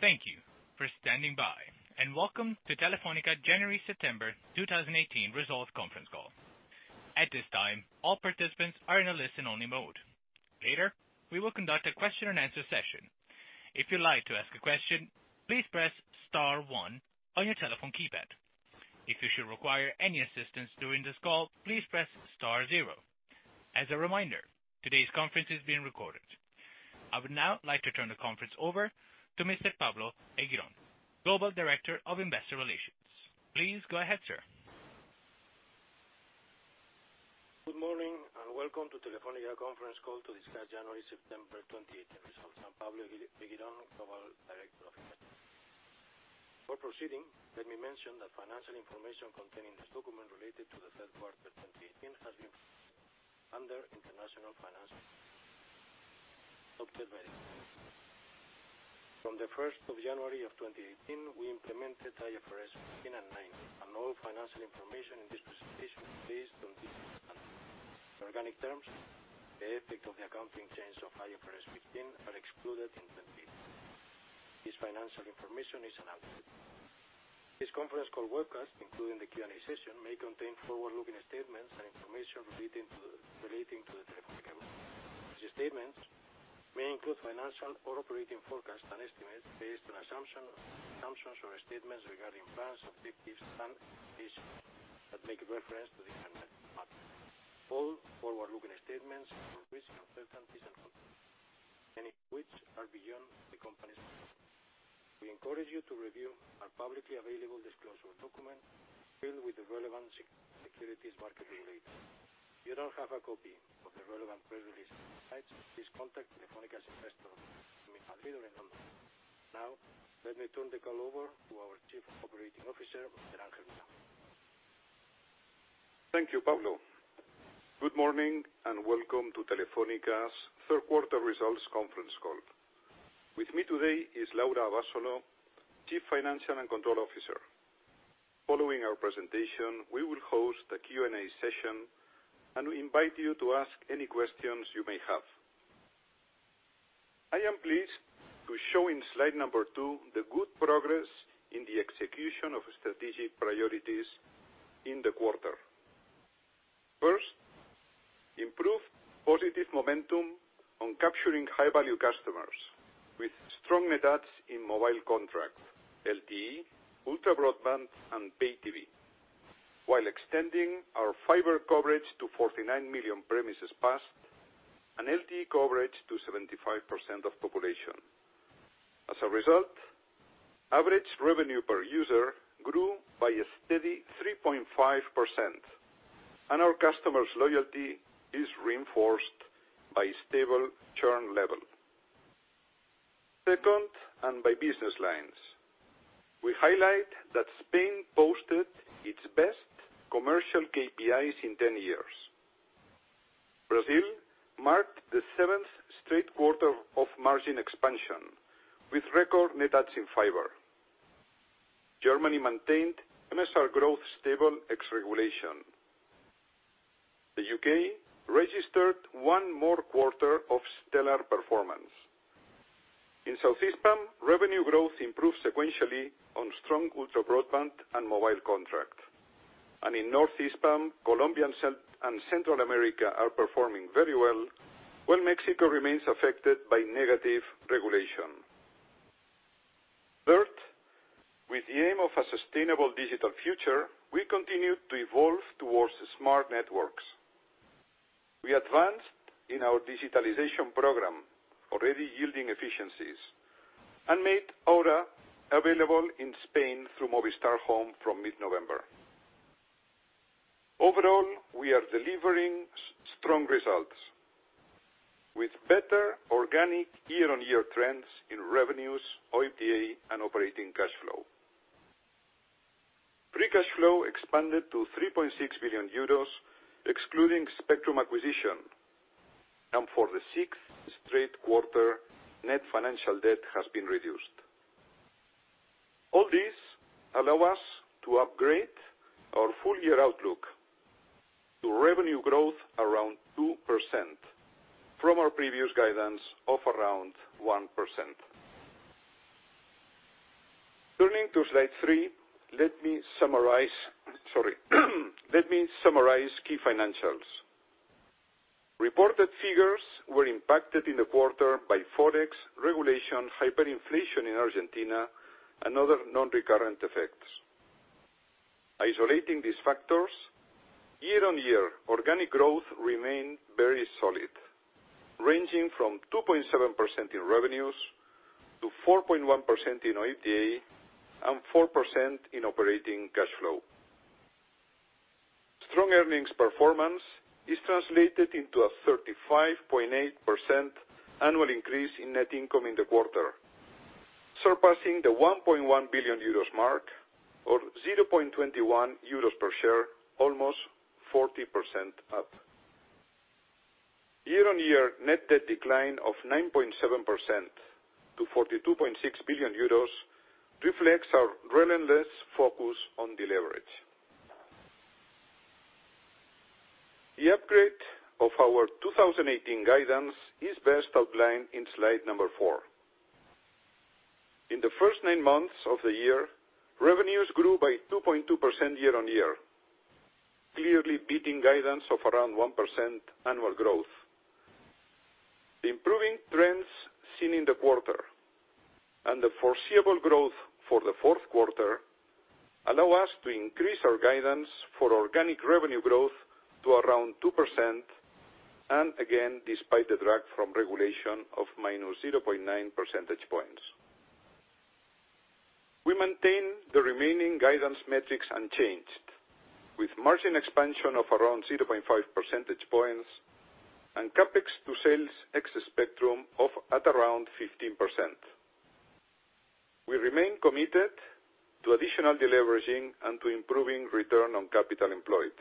Thank you for standing by, and welcome to Telefónica January-September 2018 Results Conference Call. At this time, all participants are in a listen-only mode. Later, we will conduct a question-and-answer session. If you'd like to ask a question, please press star one on your telephone keypad. If you should require any assistance during this call, please press star zero. As a reminder, today's conference is being recorded. I would now like to turn the conference over to Pablo Eguirón, Global Director of Investor Relations. Please go ahead, sir. Good morning, and welcome to Telefónica conference call to discuss January-September 2018 results. I'm Pablo Eguirón, Global Director of Investor Relations. Before proceeding, let me mention that financial information contained in this document related to the third quarter of 2018 has been under International Financial the 1st of January of 2018, we implemented IFRS 15 and 9. All financial information in this presentation is based on this standard. In organic terms, the effect of the accounting change of IFRS 15 are excluded in 2018. This financial information is analyzed. This conference call webcast, including the Q&A session, may contain forward-looking statements and information relating to the Telefónica Group. Such statements may include financial or operating forecasts and estimates based on assumptions or statements regarding plans, objectives and expectations that make a reference to different matters. All forward-looking statements will risk uncertainties and factors, many which are beyond the Company's control. We encourage you to review our publicly available disclosure document filed with the relevant securities market regulator. If you don't have a copy of the relevant press release insights, please contact Telefónica Investor at either number. Now, let me turn the call over to our Chief Operating Officer, Ángel Vilá. Thank you, Pablo. Good morning and welcome to Telefónica's Third Quarter Results Conference Call. With me today is Laura Abasolo, Chief Financial and Control Officer. Following our presentation, we will host a Q&A session. We invite you to ask any questions you may have. I am pleased to show in slide number two the good progress in the execution of strategic priorities in the quarter. First, improved positive momentum on capturing high-value customers with strong net adds in mobile contracts, LTE, ultra broadband, and pay TV, while extending our fiber coverage to 49 million premises passed and LTE coverage to 75% of population. As a result, average revenue per user grew by a steady 3.5%. Our customers' loyalty is reinforced by stable churn level. Second, by business lines, we highlight that Spain posted its best commercial KPIs in 10 years. Brazil marked the seventh straight quarter of margin expansion with record net adds in fiber. Germany maintained MSR growth stable ex regulation. The U.K. registered one more quarter of stellar performance. In Hispam Sur, revenue growth improved sequentially on strong ultra broadband and mobile contract. In Hispam Norte, Colombia and Central America are performing very well, while Mexico remains affected by negative regulation. Third, with the aim of a sustainable digital future, we continue to evolve towards smart networks. We advanced in our digitalization program, already yielding efficiencies, and made Aura available in Spain through Movistar Home from mid-November. Overall, we are delivering strong results with better organic year-over-year trends in revenues, OIBDA, and operating cash flow. Free cash flow expanded to 3.6 billion euros, excluding spectrum acquisition. For the sixth straight quarter, net financial debt has been reduced. All this allow us to upgrade our full-year outlook to revenue growth around 2% from our previous guidance of around 1%. Turning to slide three, let me summarize key financials. Reported figures were impacted in the quarter by Forex, regulation, hyperinflation in Argentina, and other non-recurrent effects. Isolating these factors, year-over-year organic growth remained very solid, ranging from 2.7% in revenues to 4.1% in OIBDA and 4% in operating cash flow. Strong earnings performance is translated into a 35.8% annual increase in net income in the quarter, surpassing the 1.1 billion euros mark or 0.21 euros per share, almost 40% up. Year-over-year net debt decline of 9.7% to 42.6 billion euros reflects our relentless focus on deleverage. The upgrade of our 2018 guidance is best outlined in slide number four. In the first nine months of the year, revenues grew by 2.2% year-over-year, clearly beating guidance of around 1% annual growth. The improving trends seen in the quarter and the foreseeable growth for the fourth quarter allow us to increase our guidance for organic revenue growth to around 2%, and again, despite the drag from regulation of minus 0.9 percentage points. We maintain the remaining guidance metrics unchanged, with margin expansion of around 0.5 percentage points and CapEx to sales ex-spectrum of at around 15%. We remain committed to additional deleveraging and to improving return on capital employed.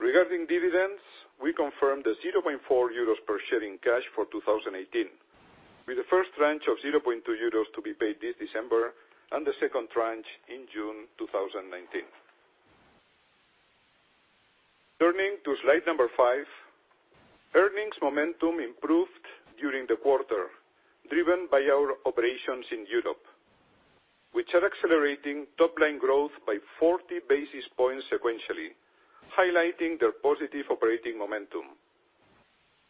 Regarding dividends, we confirm the 0.4 euros per share in cash for 2018, with the first tranche of 0.2 euros to be paid this December and the second tranche in June 2019. Turning to slide number five, earnings momentum improved during the quarter, driven by our operations in Europe, which are accelerating top-line growth by 40 basis points sequentially, highlighting their positive operating momentum.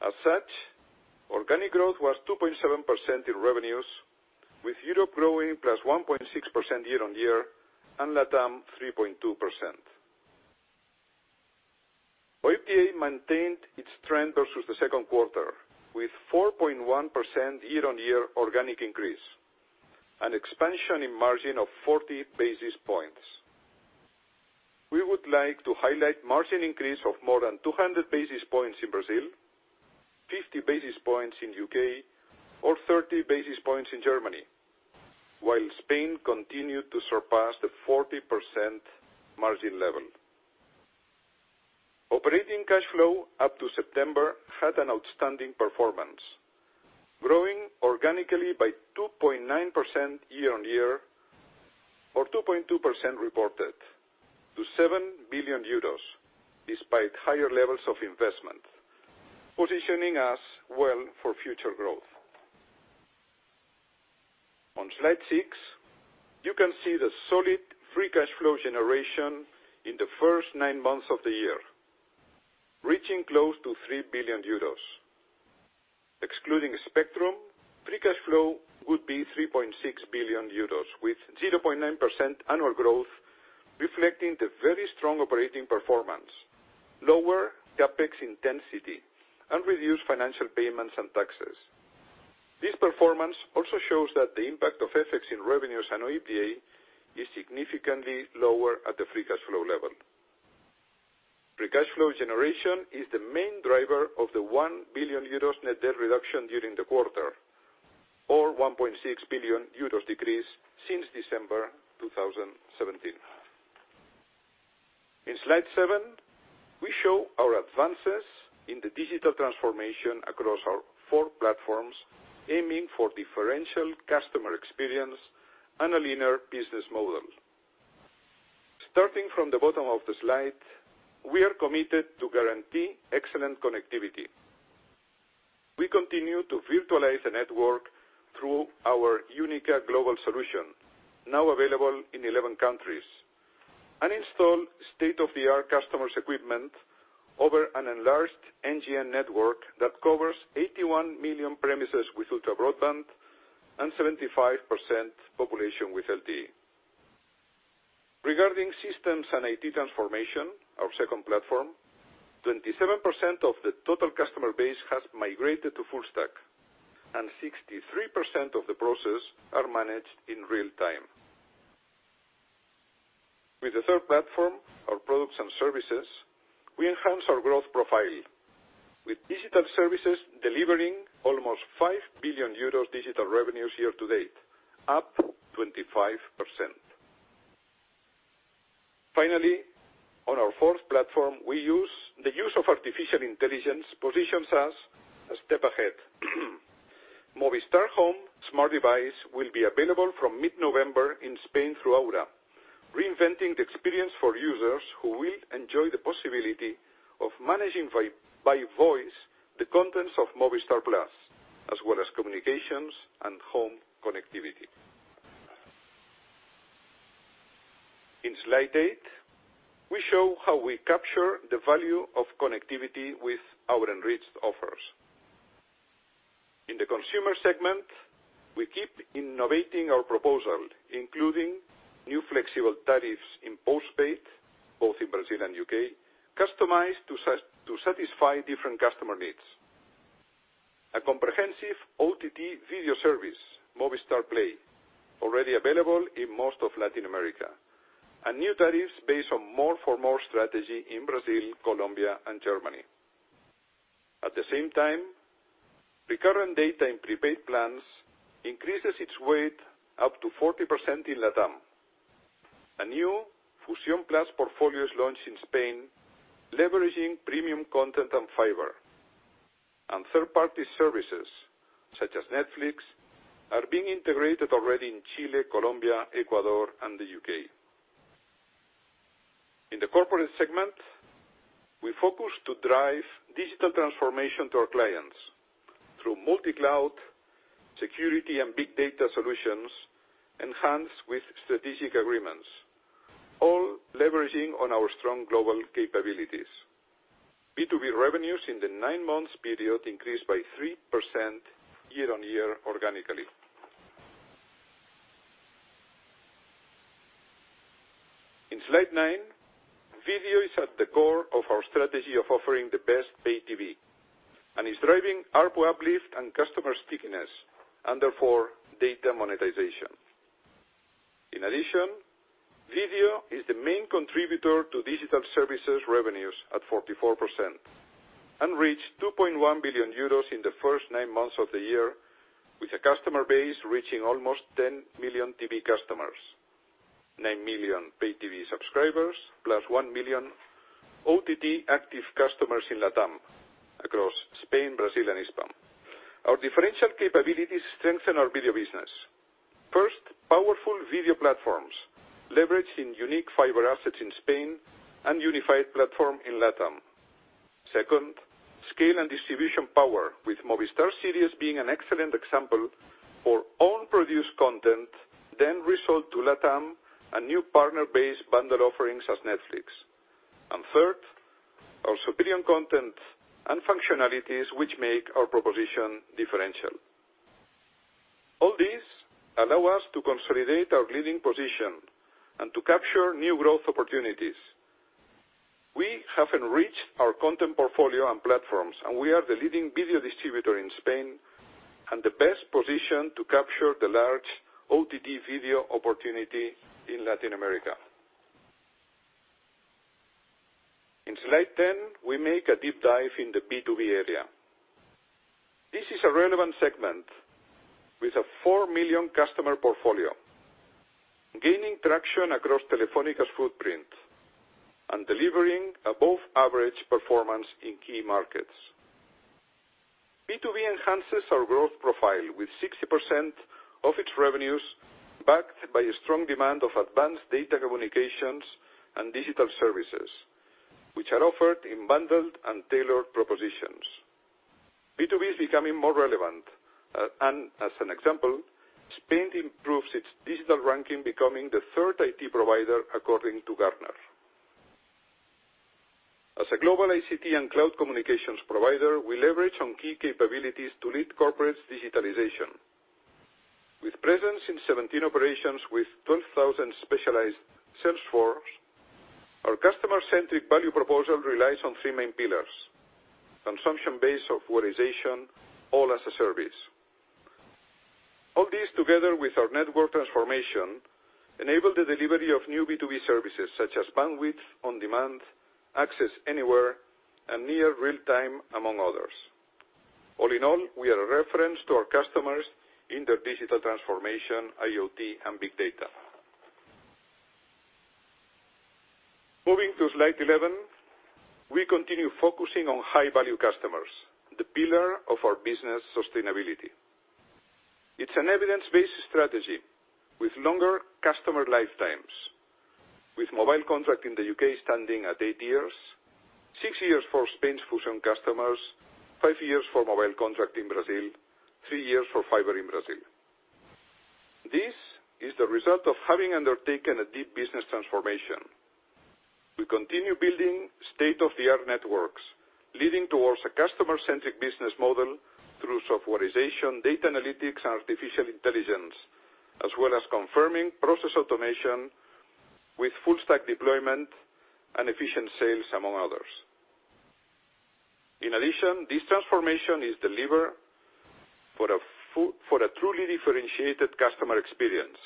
As such, organic growth was 2.7% in revenues, with Europe growing plus 1.6% year-over-year and LatAm 3.2%. OIBDA maintained its trend versus the second quarter, with 4.1% year-over-year organic increase and expansion in margin of 40 basis points. We would like to highlight margin increase of more than 200 basis points in Brazil, 50 basis points in U.K. or 30 basis points in Germany, while Spain continued to surpass the 40% margin level. Operating cash flow up to September had an outstanding performance, growing organically by 2.9% year-over-year or 2.2% reported to 7 billion euros, despite higher levels of investment, positioning us well for future growth. On slide six, you can see the solid free cash flow generation in the first nine months of the year, reaching close to 3 billion euros. Excluding Spectrum, free cash flow would be 3.6 billion euros with 0.9% annual growth, reflecting the very strong operating performance, lower CapEx intensity, and reduced financial payments and taxes. This performance also shows that the impact of FX in revenues and OIBDA is significantly lower at the free cash flow level. Free cash flow generation is the main driver of the 1 billion euros net debt reduction during the quarter, or 1.6 billion euros decrease since December 2017. In slide seven, we show our advances in the digital transformation across our four platforms, aiming for differential customer experience and a linear business model. Starting from the bottom of the slide, we are committed to guarantee excellent connectivity. We continue to virtualize the network through our unique global solution, now available in 11 countries, and install state-of-the-art customers equipment over an enlarged NGN network that covers 81 million premises with ultra-broadband and 75% population with LTE. Regarding systems and IT transformation, our second platform, 27% of the total customer base has migrated to full stack, and 63% of the process are managed in real time. With the third platform, our products and services, we enhance our growth profile with digital services delivering almost 5 billion euros digital revenues year to date, up 25%. Finally, on our fourth platform, the use of artificial intelligence positions us a step ahead. Movistar Home smart device will be available from mid-November in Spain through Aura, reinventing the experience for users who will enjoy the possibility of managing by voice the contents of Movistar Plus+, as well as communications and home connectivity. In slide eight, we show how we capture the value of connectivity with our enriched offers. In the consumer segment, we keep innovating our proposal, including new flexible tariffs in postpaid, both in Brazil and U.K., customized to satisfy different customer needs. A comprehensive OTT video service, Movistar Play, already available in most of Latin America, and new tariffs based on more for more strategy in Brazil, Colombia, and Germany. At the same time, recurrent data in prepaid plans increases its weight up to 40% in LatAm. A new Fusión+ portfolio is launched in Spain, leveraging premium content and fiber. Third-party services, such as Netflix, are being integrated already in Chile, Colombia, Ecuador, and the U.K. In the corporate segment, we focus to drive digital transformation to our clients through multi-cloud security and big data solutions, enhanced with strategic agreements, all leveraging on our strong global capabilities. B2B revenues in the nine months period increased by 3% year-over-year organically. In slide nine, video is at the core of our strategy of offering the best pay TV and is driving ARPU uplift and customer stickiness and therefore data monetization. In addition, video is the main contributor to digital services revenues at 44% and reached 2.1 billion euros in the first nine months of the year, with a customer base reaching almost 10 million TV customers, nine million pay TV subscribers plus one million OTT active customers in LATAM across Spain, Brazil, and Hispam. Our differential capabilities strengthen our video business. First, powerful video platforms leveraging unique fiber assets in Spain and unified platform in LATAM. Second, scale and distribution power with Movistar Series being an excellent example for own produced content, then resold to LATAM and new partner-based bundle offerings as Netflix. Third, our superior content and functionalities which make our proposition differential. All this allow us to consolidate our leading position and to capture new growth opportunities. We have enriched our content portfolio and platforms, and we are the leading video distributor in Spain and the best positioned to capture the large OTT video opportunity in Latin America. In slide 10, we make a deep dive in the B2B area. This is a relevant segment, with a 4 million customer portfolio, gaining traction across Telefónica's footprint and delivering above-average performance in key markets. B2B enhances our growth profile with 60% of its revenues backed by a strong demand of advanced data communications and digital services, which are offered in bundled and tailored propositions. B2B is becoming more relevant, and as an example, Spain improves its digital ranking, becoming the third IT provider, according to Gartner. As a global ICT and cloud communications provider, we leverage on key capabilities to lead corporate digitalization. With presence in 17 operations with 12,000 specialized sales force, our customer-centric value proposal relies on three main pillars: consumption-based softwarization, all as a service. All this together with our network transformation enable the delivery of new B2B services such as bandwidth on demand, access anywhere, and near real time, among others. All in all, we are a reference to our customers in their digital transformation, IoT, and big data. Moving to slide 11, we continue focusing on high-value customers, the pillar of our business sustainability. It's an evidence-based strategy with longer customer lifetimes, with mobile contract in the U.K. standing at 8 years, 6 years for Spain's Fusión customers, 5 years for mobile contract in Brazil, 3 years for fiber in Brazil. This is the result of having undertaken a deep business transformation. We continue building state-of-the-art networks, leading towards a customer-centric business model through softwarization, data analytics, and artificial intelligence, as well as confirming process automation with full stack deployment and efficient sales, among others. In addition, this transformation is delivered for a truly differentiated customer experience.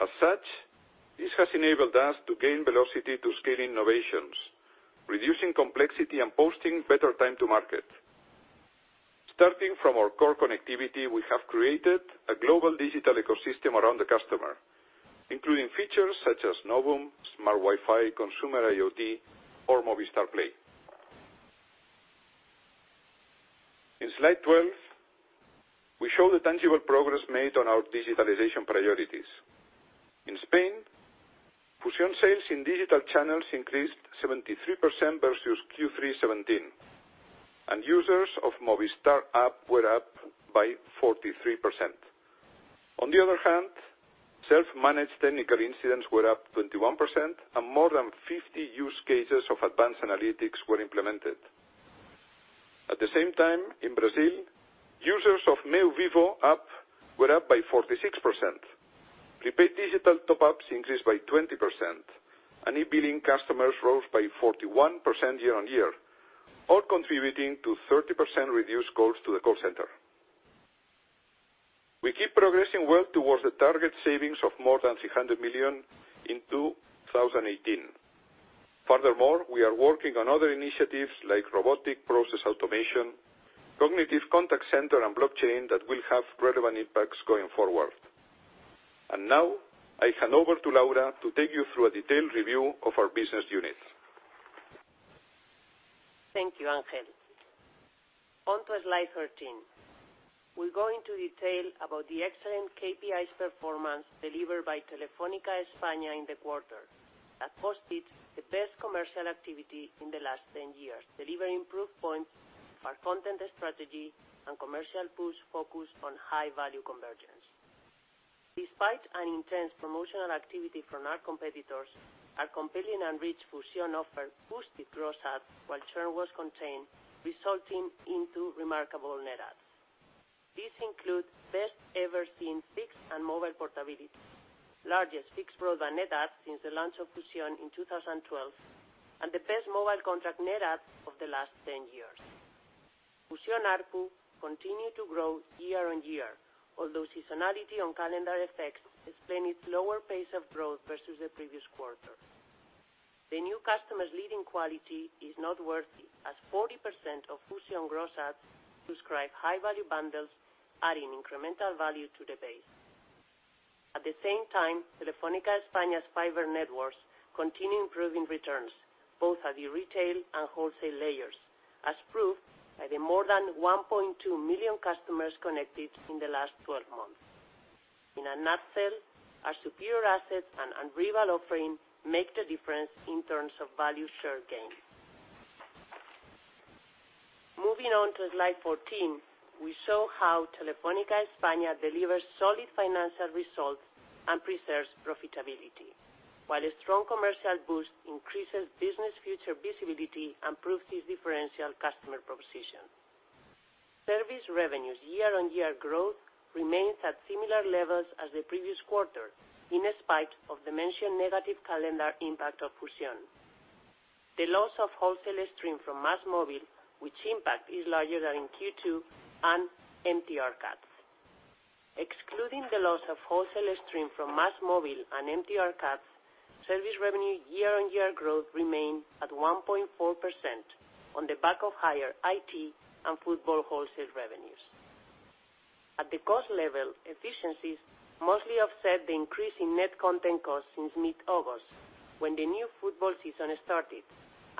As such, this has enabled us to gain velocity to scale innovations, reducing complexity, and posting better time to market. Starting from our core connectivity, we have created a global digital ecosystem around the customer, including features such as Novum, Smart Wi-Fi, Consumer IoT, or Movistar Play. In slide 12, we show the tangible progress made on our digitalization priorities. In Spain, Fusión sales in digital channels increased 73% versus Q3 2017, and users of Movistar app were up by 43%. On the other hand, self-managed technical incidents were up 21% and more than 50 use cases of advanced analytics were implemented. At the same time, in Brazil, users of Meu Vivo app were up by 46%. Prepaid digital top-ups increased by 20%, and e-billing customers rose by 41% year on year, all contributing to 30% reduced calls to the call center. We keep progressing well towards the target savings of more than 300 million in 2018. Furthermore, we are working on other initiatives like robotic process automation, cognitive contact center, and blockchain that will have relevant impacts going forward. Now I hand over to Laura to take you through a detailed review of our business units. Thank you, Ángel. On to slide 13. We'll go into detail about the excellent KPIs performance delivered by Telefónica España in the quarter, that posted the best commercial activity in the last 10 years, delivering proof points for our content strategy and commercial push focused on high-value convergence. Despite an intense promotional activity from our competitors, our compelling and rich Fusión offer boosted gross add while churn was contained, resulting into remarkable net adds. This includes best ever seen fixed and mobile portabilities, largest fixed broadband net adds since the launch of Fusión in 2012, and the best mobile contract net adds of the last 10 years. Fusión ARPU continued to grow year-on-year, although seasonality on calendar effects explain its lower pace of growth versus the previous quarter. The new customers' leading quality is noteworthy, as 40% of Fusión gross adds subscribe high-value bundles, adding incremental value to the base. At the same time, Telefónica España's fiber networks continue improving returns both at the retail and wholesale layers, as proved by the more than 1.2 million customers connected in the last 12 months. In a nutshell, our superior assets and unrivaled offering make the difference in terms of value share gain. Moving on to slide 14, we show how Telefónica España delivers solid financial results and preserves profitability, while a strong commercial boost increases business future visibility and proves its differential customer proposition. Service revenues year-on-year growth remains at similar levels as the previous quarter, in spite of the mentioned negative calendar impact of Fusión, the loss of wholesale stream from MásMóvil, which impact is larger than in Q2, and MTR cuts. Excluding the loss of wholesale stream from MásMóvil and MTR cuts, service revenue year-on-year growth remained at 1.4% on the back of higher IT and football wholesale revenues. At the cost level, efficiencies mostly offset the increase in net content costs since mid-August, when the new football season started,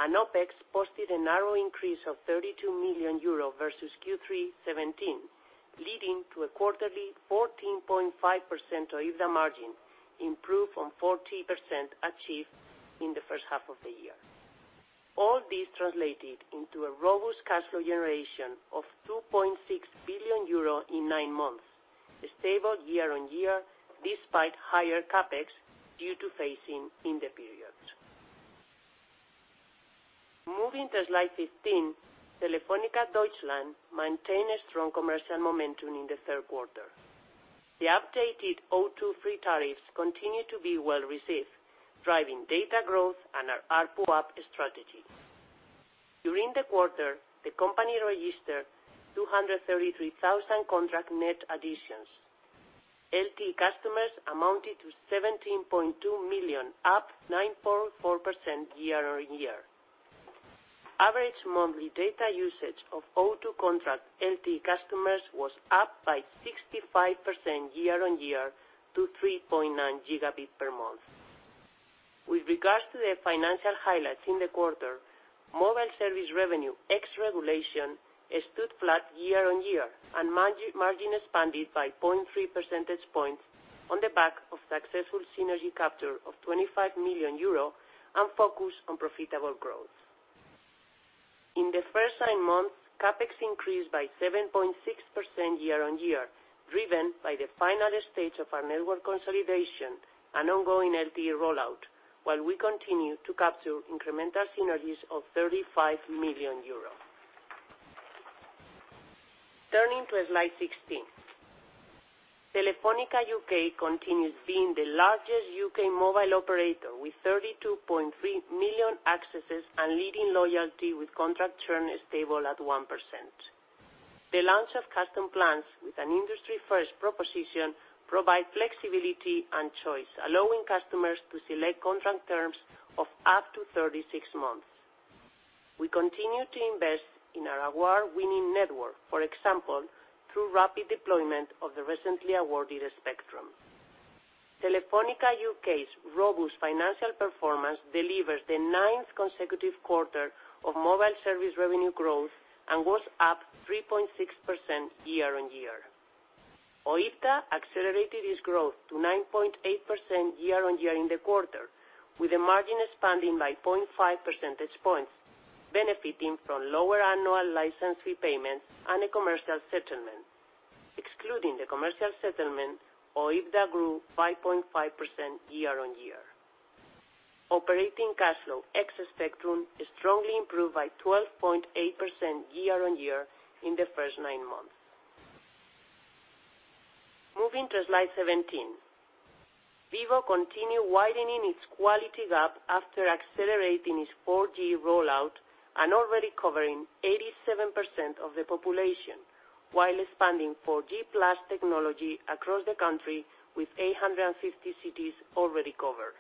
and OpEx posted a narrow increase of 32 million euro versus Q3 2017, leading to a quarterly 14.5% OIBDA margin, improved from 14% achieved in the first half of the year. All this translated into a robust cash flow generation of 2.6 billion euro in nine months, stable year-on-year, despite higher CapEx due to phasing in the periods. Moving to slide 15, Telefónica Deutschland maintained a strong commercial momentum in the third quarter. The updated O2 Free tariffs continue to be well received, driving data growth and our ARPU up strategy. During the quarter, the company registered 233,000 contract net additions. LTE customers amounted to 17.2 million, up 9.4% year-over-year. Average monthly data usage of O2 contract LTE customers was up by 65% year-on-year to 3.9 gigabit per month. With regards to the financial highlights in the quarter, mobile service revenue ex regulation stood flat year-on-year, and margin expanded by 0.3 percentage points on the back of successful synergy capture of 25 million euro and focus on profitable growth. In the first nine months, CapEx increased by 7.6% year-on-year, driven by the final stage of our network consolidation and ongoing LTE rollout while we continue to capture incremental synergies of 35 million euros. Turning to slide 16. Telefónica UK continues being the largest U.K. mobile operator with 32.3 million accesses and leading loyalty with contract churn stable at 1%. The launch of custom plans with an industry-first proposition provide flexibility and choice, allowing customers to select contract terms of up to 36 months. We continue to invest in our award-winning network, for example, through rapid deployment of the recently awarded spectrum. Telefónica UK's robust financial performance delivers the ninth consecutive quarter of mobile service revenue growth and was up 3.6% year-on-year. OIBDA accelerated its growth to 9.8% year-on-year in the quarter, with the margin expanding by 0.5 percentage points, benefiting from lower annual license repayments and a commercial settlement. Excluding the commercial settlement, OIBDA grew 5.5% year-on-year. Operating cash flow ex spectrum strongly improved by 12.8% year-on-year in the first nine months. Moving to slide 17. Vivo continued widening its quality gap after accelerating its 4G rollout and already covering 87% of the population while expanding 4G+ technology across the country, with 850 cities already covered.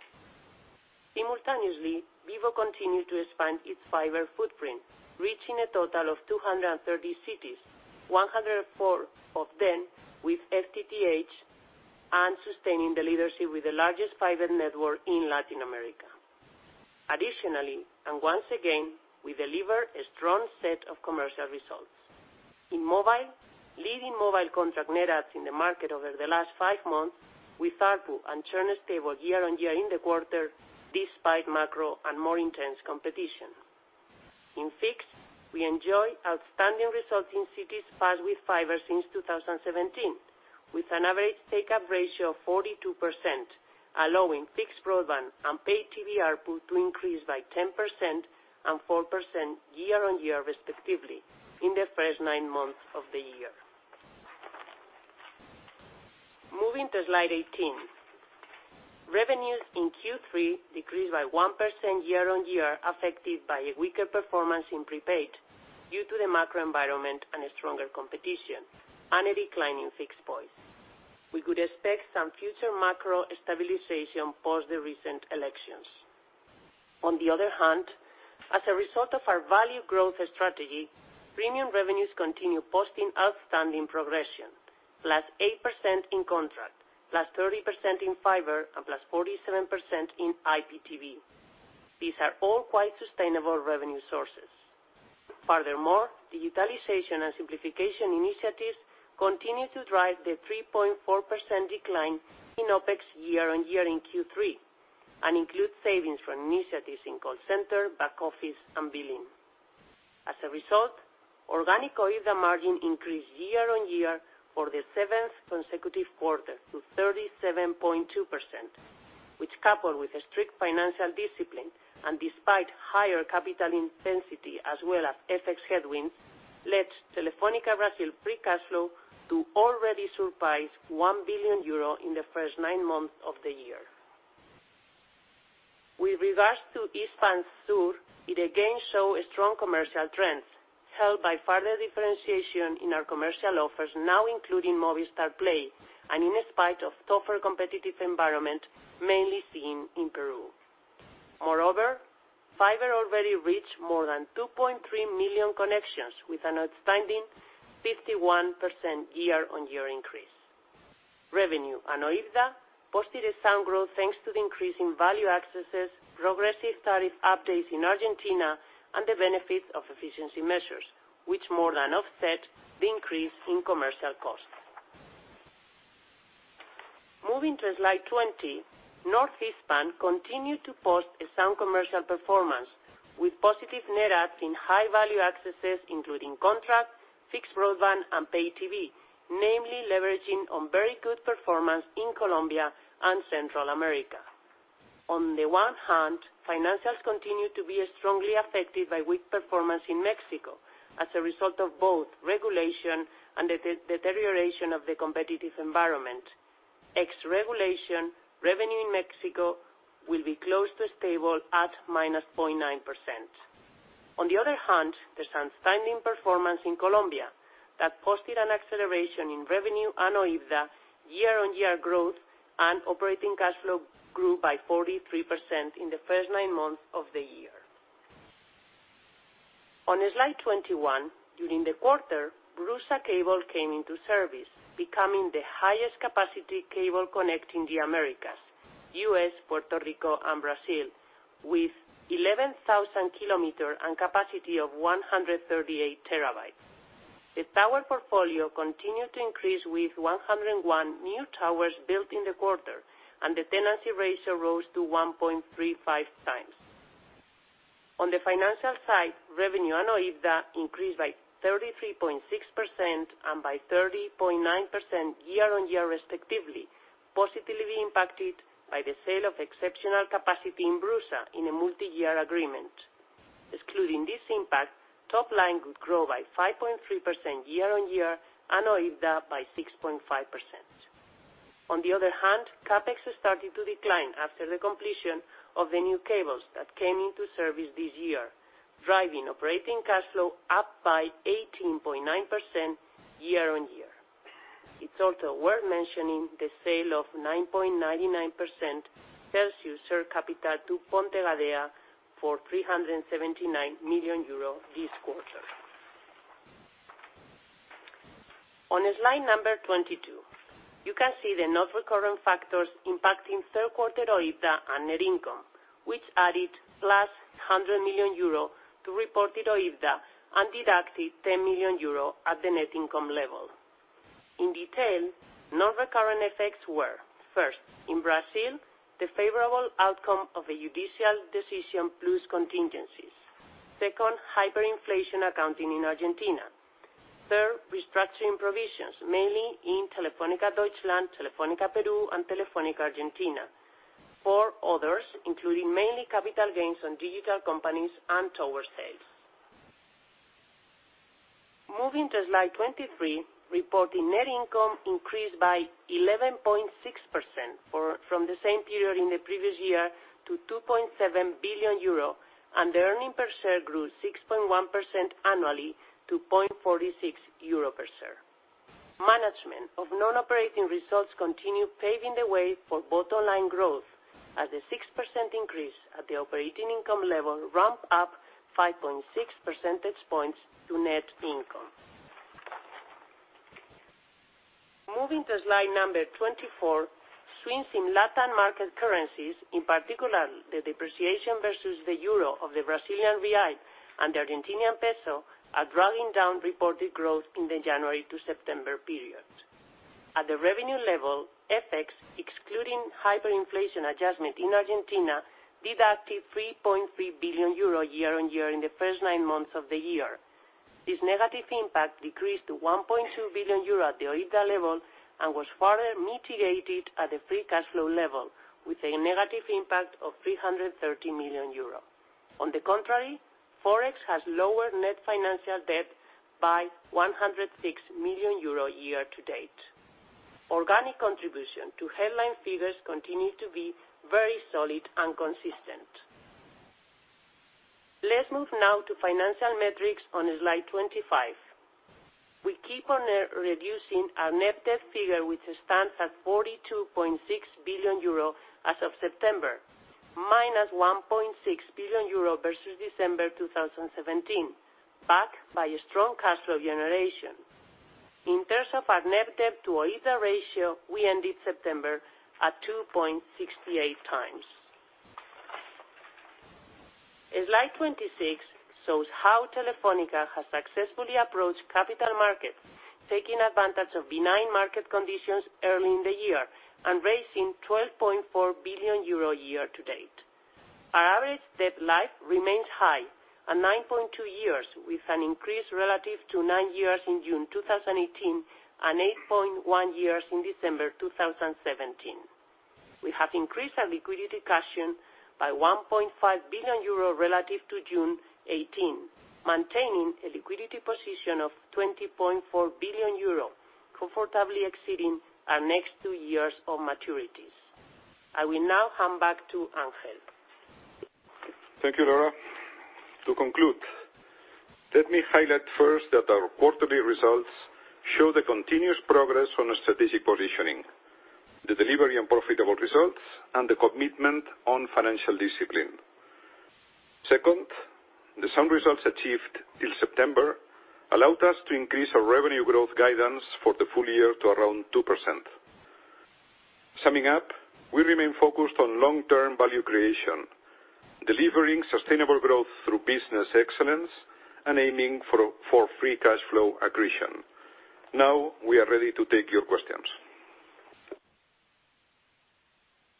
Simultaneously, Vivo continued to expand its fiber footprint, reaching a total of 230 cities, 104 of them with FTTH, and sustaining the leadership with the largest fiber network in Latin America. Additionally, once again, we deliver a strong set of commercial results. In mobile, leading mobile contract net adds in the market over the last five months with ARPU and churn stable year-on-year in the quarter, despite macro and more intense competition. In fixed, we enjoy outstanding results in cities passed with fiber since 2017, with an average take-up ratio of 42%, allowing fixed broadband and paid TV ARPU to increase by 10% and 4% year-on-year respectively in the first nine months of the year. Moving to slide 18. Revenues in Q3 decreased by 1% year-on-year, affected by a weaker performance in prepaid due to the macro environment and stronger competition, and a decline in fixed voice. We could expect some future macro stabilization post the recent elections. On the other hand, as a result of our value growth strategy, premium revenues continue posting outstanding progression, plus 8% in contract, plus 30% in fiber, and plus 47% in IPTV. These are all quite sustainable revenue sources. Furthermore, digitalization and simplification initiatives continue to drive the 3.4% decline in OpEx year-on-year in Q3, and include savings from initiatives in call center, back office, and billing. As a result, organic OIBDA margin increased year-on-year for the seventh consecutive quarter to 37.2%, which, coupled with strict financial discipline and despite higher capital intensity as well as FX headwinds, led Telefônica Brasil free cash flow to already surpass 1 billion euro in the first nine months of the year. With regards to Hispam Sur, it again show a strong commercial trend, helped by further differentiation in our commercial offers now including Movistar Play, and in spite of tougher competitive environment mainly seen in Peru. Moreover, fiber already reached more than 2.3 million connections, with an outstanding 51% year-on-year increase. Revenue and OIBDA posted a sound growth, thanks to the increase in value accesses, progressive tariff updates in Argentina, and the benefits of efficiency measures, which more than offset the increase in commercial costs. Moving to slide 20. North Hispam continued to post a sound commercial performance, with positive net adds in high-value accesses, including contract, fixed broadband, and pay TV, namely leveraging on very good performance in Colombia and Central America. On the one hand, financials continue to be strongly affected by weak performance in Mexico as a result of both regulation and the deterioration of the competitive environment. Ex-regulation, revenue in Mexico will be close to stable at -0.9%. On the other hand, there is outstanding performance in Colombia that posted an acceleration in revenue and OIBDA year-on-year growth, and operating cash flow grew by 43% in the first nine months of the year. On slide 21. During the quarter, BRUSA Cable came into service, becoming the highest capacity cable connecting the Americas, U.S., Puerto Rico, and Brazil, with 11,000 kilometers and capacity of 138 terabytes. The tower portfolio continued to increase with 101 new towers built in the quarter, and the tenancy ratio rose to 1.35 times. On the financial side, revenue and OIBDA increased by 33.6% and by 30.9% year-on-year respectively, positively impacted by the sale of exceptional capacity in BRUSA in a multi-year agreement. Excluding this impact, top line could grow by 5.3% year-on-year and OIBDA by 6.5%. On the other hand, CapEx started to decline after the completion of the new cables that came into service this year, driving operating cash flow up by 18.9% year-on-year. It's also worth mentioning the sale of 9.99% Telxius share capital to Pontegadea for 379 million euro this quarter. On slide number 22, you can see the non-recurring factors impacting third quarter OIBDA and net income, which added plus 100 million euro to reported OIBDA and deducted 10 million euro at the net income level. In detail, non-recurring effects were, first, in Brazil, the favorable outcome of a judicial decision plus contingencies. Second, hyperinflation accounting in Argentina. Third, restructuring provisions, mainly in Telefónica Deutschland, Telefónica del Perú, and Telefónica Argentina. Four, others, including mainly capital gains on digital companies and tower sales. Moving to slide 23. Reporting net income increased by 11.6% from the same period in the previous year to 2.7 billion euro, and the earnings per share grew 6.1% annually to 0.46 euro per share. Management of non-operating results continue paving the way for bottom line growth, as a 6% increase at the operating income level ramp up 5.6 percentage points to net income. Moving to slide number 24, swings in LatAm market currencies, in particular, the depreciation versus the euro of the Brazilian real and the Argentinian peso, are dragging down reported growth in the January to September period. At the revenue level, FX, excluding hyperinflation adjustment in Argentina, deducted 3.3 billion euro year-on-year in the first nine months of the year. This negative impact decreased to 1.2 billion euro at the OIBDA level, and was further mitigated at the free cash flow level, with a negative impact of 330 million euro. On the contrary, Forex has lowered net financial debt by 106 million euro year-to-date. Organic contribution to headline figures continue to be very solid and consistent. Let's move now to financial metrics on slide 25. We keep on reducing our net debt figure, which stands at 42.6 billion euro as of September, -1.6 billion euro versus December 2017, backed by a strong cash flow generation. In terms of our net debt to OIBDA ratio, we ended September at 2.68 times. Slide 26 shows how Telefónica has successfully approached capital markets, taking advantage of benign market conditions early in the year and raising 12.4 billion euro year-to-date. Our average debt life remains high at 9.2 years, with an increase relative to nine years in June 2018 and 8.1 years in December 2017. We have increased our liquidity cash by 1.5 billion euro relative to June 2018, maintaining a liquidity position of 20.4 billion euro, comfortably exceeding our next two years of maturities. I will now hand back to Ángel. Thank you, Laura. To conclude, let me highlight first that our quarterly results show the continuous progress on strategic positioning, the delivery and profitable results, and the commitment on financial discipline. Second, the sound results achieved till September allowed us to increase our revenue growth guidance for the full year to around 2%. We remain focused on long-term value creation, delivering sustainable growth through business excellence, and aiming for free cash flow accretion. We are ready to take your questions.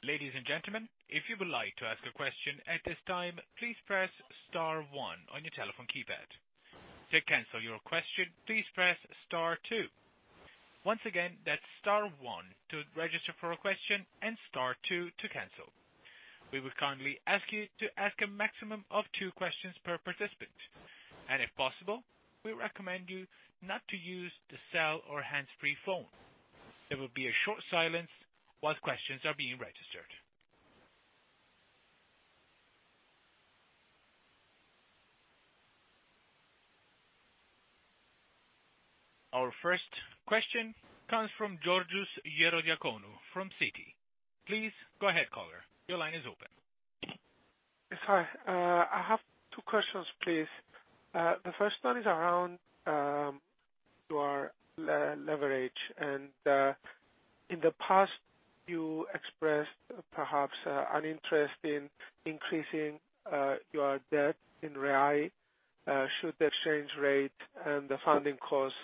Ladies and gentlemen, if you would like to ask a question at this time, please press *1 on your telephone keypad. To cancel your question, please press *2. Once again, that's *1 to register for a question and *2 to cancel. We would kindly ask you to ask a maximum of two questions per participant. If possible, we recommend you not to use the cell or hands-free phone. There will be a short silence while questions are being registered. Our first question comes from Georgios Ierodiaconou from Citi. Please go ahead, caller. Your line is open. Sorry, I have two questions, please. The first one is around your leverage. In the past, you expressed perhaps an interest in increasing your debt in reais, should the exchange rate and the funding cost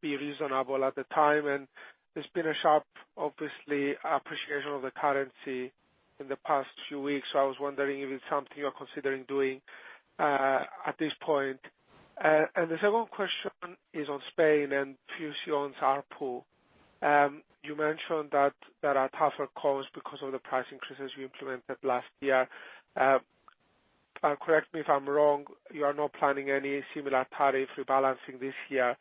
be reasonable at the time. There's been a sharp, obviously, appreciation of the currency in the past few weeks. I was wondering if it's something you're considering doing at this point. The second question is on Spain and Fusión ARPU. You mentioned that there are tougher calls because of the price increases you implemented last year. Correct me if I'm wrong, you are not planning any similar tariff rebalancing this year.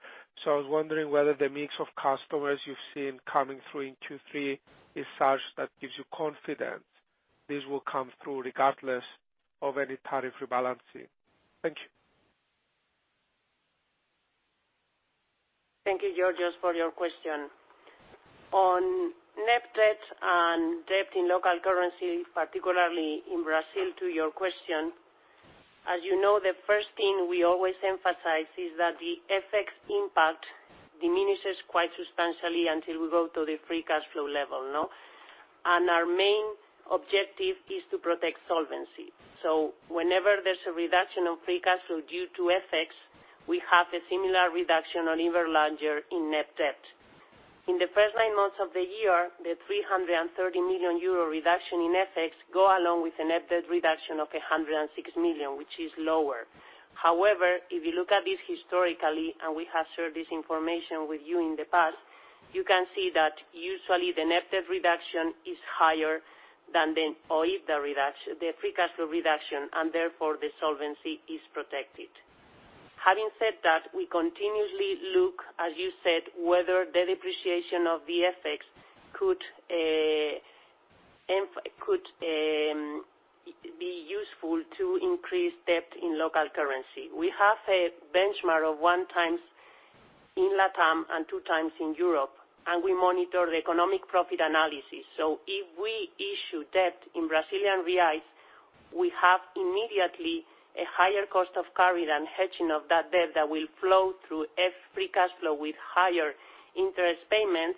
I was wondering whether the mix of customers you've seen coming through in Q3 is such that gives you confidence this will come through regardless of any tariff rebalancing. Thank you. Thank you, Georgios Ierodiaconou, for your question. On net debt and debt in local currency, particularly in Brazil, to your question, as you know, the first thing we always emphasize is that the FX impact diminishes quite substantially until we go to the free cash flow level, no. Our main objective is to protect solvency. Whenever there's a reduction of free cash flow due to FX, we have a similar reduction or even larger in net debt. In the first nine months of the year, the 330 million euro reduction in FX go along with a net debt reduction of 106 million, which is lower. If you look at this historically, and we have shared this information with you in the past, you can see that usually the net debt reduction is higher than the OIBDA reduction, the free cash flow reduction, and therefore the solvency is protected. Having said that, we continuously look, as you said, whether the depreciation of the FX could useful to increase debt in local currency. We have a benchmark of one times in LATAM and two times in Europe, and we monitor the economic profit analysis. If we issue debt in Brazilian reais, we have immediately a higher cost of carry than hedging of that debt that will flow through free cash flow with higher interest payments,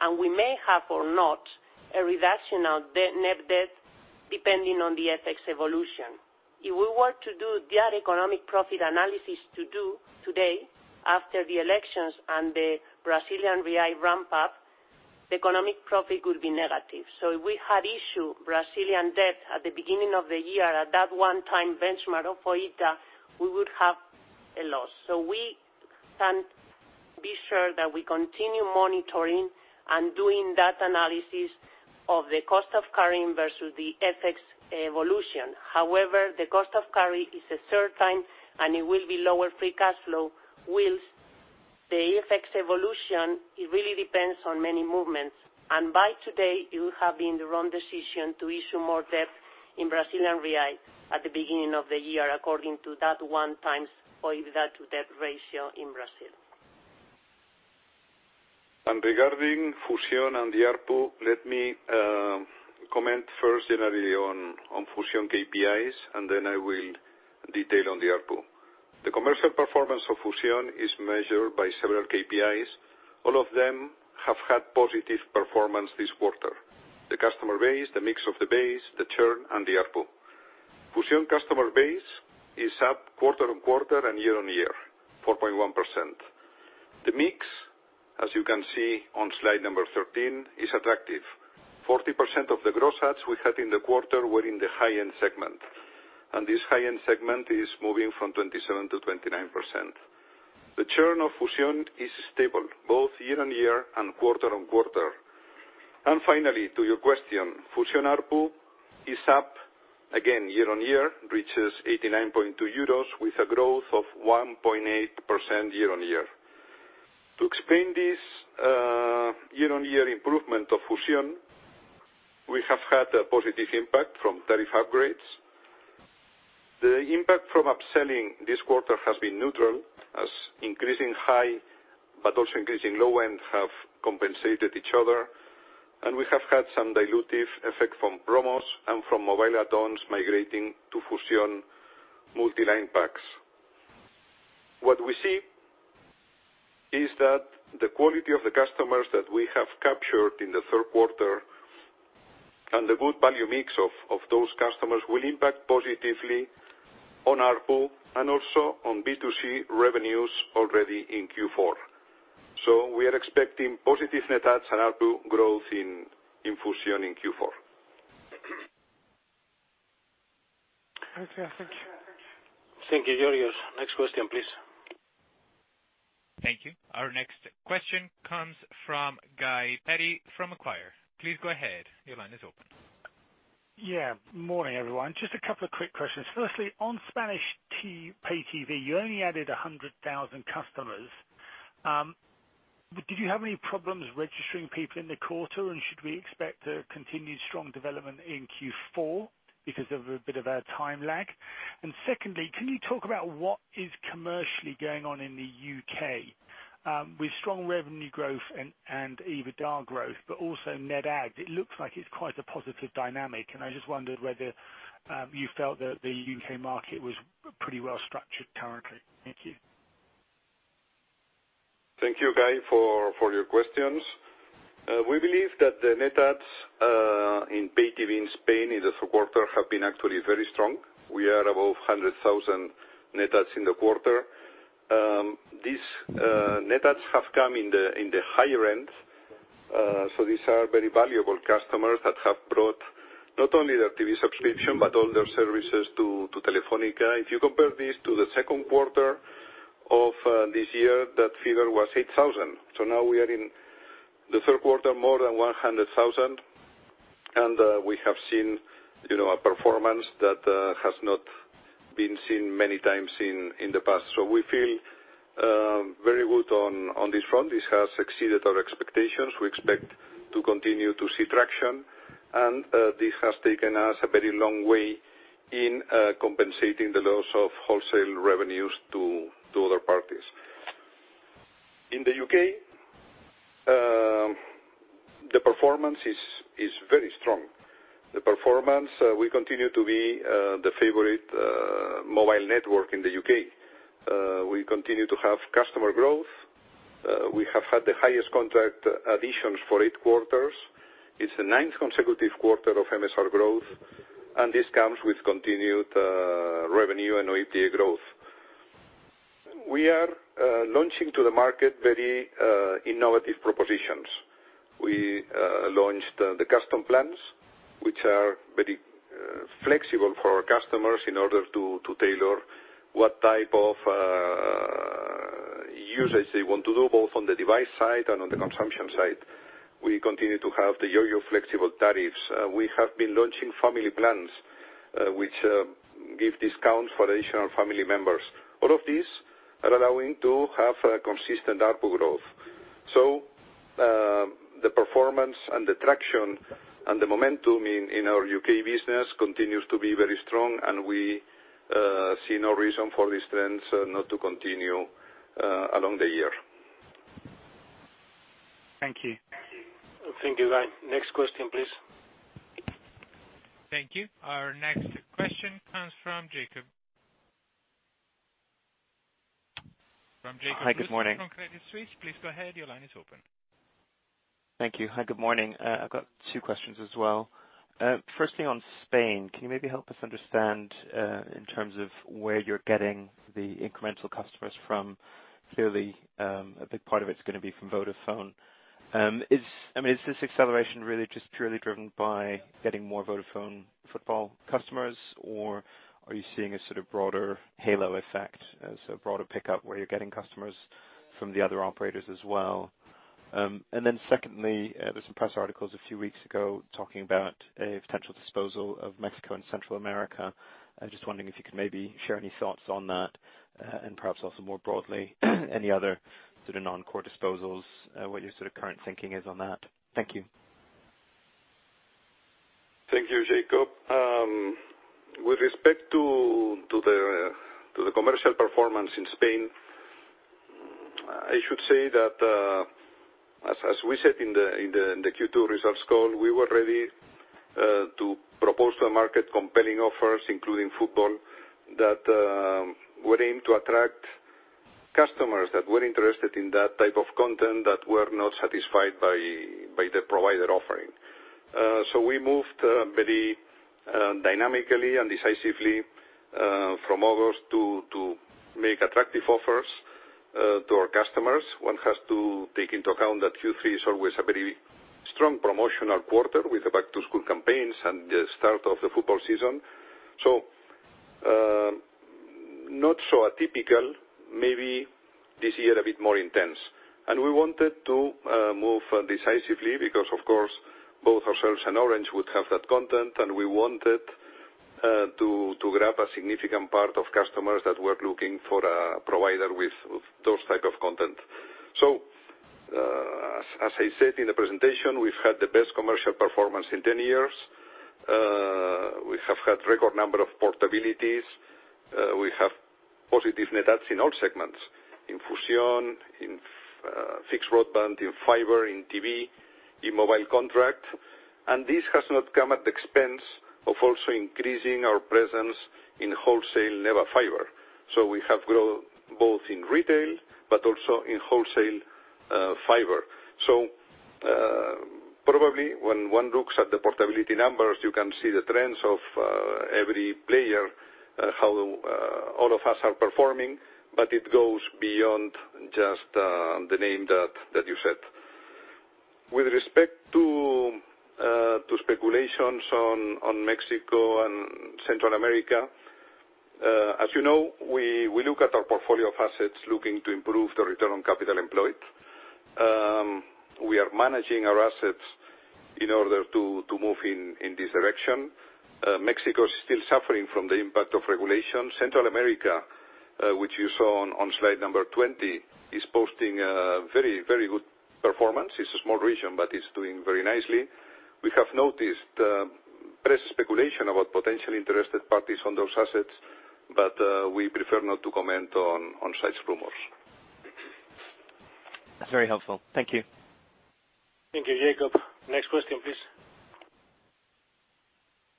and we may have, or not, a reduction of net debt, depending on the FX evolution. If we were to do that economic profit analysis today, after the elections and the Brazilian real ramp-up, the economic profit would be negative. If we had issued Brazilian debt at the beginning of the year at that one-time benchmark of OIBDA, we would have a loss. We can be sure that we continue monitoring and doing that analysis of the cost of carrying versus the FX evolution. However, the cost of carry is a third time, and it will be lower free cash flow, whilst the FX evolution, it really depends on many movements. By today, it would have been the wrong decision to issue more debt in Brazilian real at the beginning of the year according to that one times OIBDA to debt ratio in Brazil. Regarding Fusión and the ARPU, let me comment first generally on Fusión KPIs, and then I will detail on the ARPU. The commercial performance of Fusión is measured by several KPIs. All of them have had positive performance this quarter. The customer base, the mix of the base, the churn, and the ARPU. Fusión customer base is up quarter-on-quarter and year-on-year, 4.1%. The mix, as you can see on slide number 13, is attractive. 40% of the gross adds we had in the quarter were in the high-end segment, and this high-end segment is moving from 27%-29%. The churn of Fusión is stable, both year-on-year and quarter-on-quarter. Finally, to your question, Fusión ARPU is up again year-on-year, reaches 89.2 euros with a growth of 1.8% year-on-year. To explain this year-on-year improvement of Fusión, we have had a positive impact from tariff upgrades. The impact from upselling this quarter has been neutral, as increasing high but also increasing low-end have compensated each other, and we have had some dilutive effect from promos and from mobile add-ons migrating to Fusión multi-line packs. What we see is that the quality of the customers that we have captured in the third quarter and the good value mix of those customers will impact positively on ARPU and also on B2C revenues already in Q4. We are expecting positive net adds and ARPU growth in Fusión in Q4. Okay, thank you. Thank you, Georgios. Next question, please. Thank you. Our next question comes from Guy Perry from Acquire. Please go ahead. Your line is open. Morning, everyone. Just a couple of quick questions. Firstly, on Spanish pay TV, you only added 100,000 customers. Did you have any problems registering people in the quarter, and should we expect a continued strong development in Q4 because of a bit of a time lag? Secondly, can you talk about what is commercially going on in the U.K.? With strong revenue growth and EBITDA growth, but also net add, it looks like it's quite a positive dynamic. I just wondered whether you felt that the U.K. market was pretty well structured currently. Thank you. Thank you, Guy, for your questions. We believe that the net adds in pay TV in Spain in the third quarter have been actually very strong. We are above 100,000 net adds in the quarter. These net adds have come in the higher end, so these are very valuable customers that have brought not only their TV subscription, but all their services to Telefónica. If you compare this to the second quarter of this year, that figure was 8,000. Now we are in the third quarter, more than 100,000, and we have seen a performance that has not been seen many times in the past. We feel very good on this front. This has exceeded our expectations. We expect to continue to see traction, and this has taken us a very long way in compensating the loss of wholesale revenues to other parties. In the U.K., the performance is very strong. We continue to be the favorite mobile network in the U.K. We continue to have customer growth. We have had the highest contract additions for eight quarters. It's the ninth consecutive quarter of MSR growth, and this comes with continued revenue and OIBDA growth. We are launching to the market very innovative propositions. We launched the custom plans, which are very flexible for our customers in order to tailor what type of usage they want to do, both on the device side and on the consumption side. We continue to have the YoYo flexible tariffs. We have been launching family plans, which give discounts for additional family members. All of these are allowing to have a consistent ARPU growth. Performance and the traction and the momentum in our U.K. business continues to be very strong, and we see no reason for this trend not to continue along the year. Thank you. Thank you, Guy. Next question, please. Thank you. Our next question comes from Jakob. Hi. Good morning. From Credit Suisse. Please go ahead. Your line is open. Thank you. Hi. Good morning. I've got two questions as well. Firstly, on Spain, can you maybe help us understand, in terms of where you're getting the incremental customers from? Clearly, a big part of it's going to be from Vodafone. Is this acceleration really just purely driven by getting more Vodafone football customers? Or are you seeing a broader halo effect as a broader pickup where you're getting customers from the other operators as well? Secondly, there's some press articles a few weeks ago talking about a potential disposal of Mexico and Central America. I was just wondering if you could maybe share any thoughts on that, and perhaps also more broadly any other sort of non-core disposals, what your current thinking is on that. Thank you. Thank you, Jakob. With respect to the commercial performance in Spain, I should say that, as we said in the Q2 results call, we were ready to propose to the market compelling offers, including football, that would aim to attract customers that were interested in that type of content that were not satisfied by the provider offering. We moved very dynamically and decisively from August to make attractive offers to our customers. One has to take into account that Q3 is always a very strong promotional quarter with the back-to-school campaigns and the start of the football season. Not so atypical, maybe this year a bit more intense. We wanted to move decisively because, of course, both ourselves and Orange would have that content, and we wanted to grab a significant part of customers that were looking for a provider with those type of content. As I said in the presentation, we've had the best commercial performance in 10 years. We have had record number of portabilities. We have positive net adds in all segments, in Fusión, in fixed broadband, in fiber, in TV, in mobile contract. This has not come at the expense of also increasing our presence in wholesale NEBA fiber. We have grown both in retail but also in wholesale fiber. Probably when one looks at the portability numbers, you can see the trends of every player, how all of us are performing, but it goes beyond just the name that you said. With respect to speculations on Mexico and Central America, as you know, we look at our portfolio of assets looking to improve the return on capital employed. We are managing our assets in order to move in this direction. Mexico is still suffering from the impact of regulation. Central America, which you saw on slide number 20, is posting a very good performance. It is a small region, but it is doing very nicely. We have noticed press speculation about potentially interested parties on those assets, but we prefer not to comment on such rumors. That's very helpful. Thank you. Thank you, Jakob. Next question, please.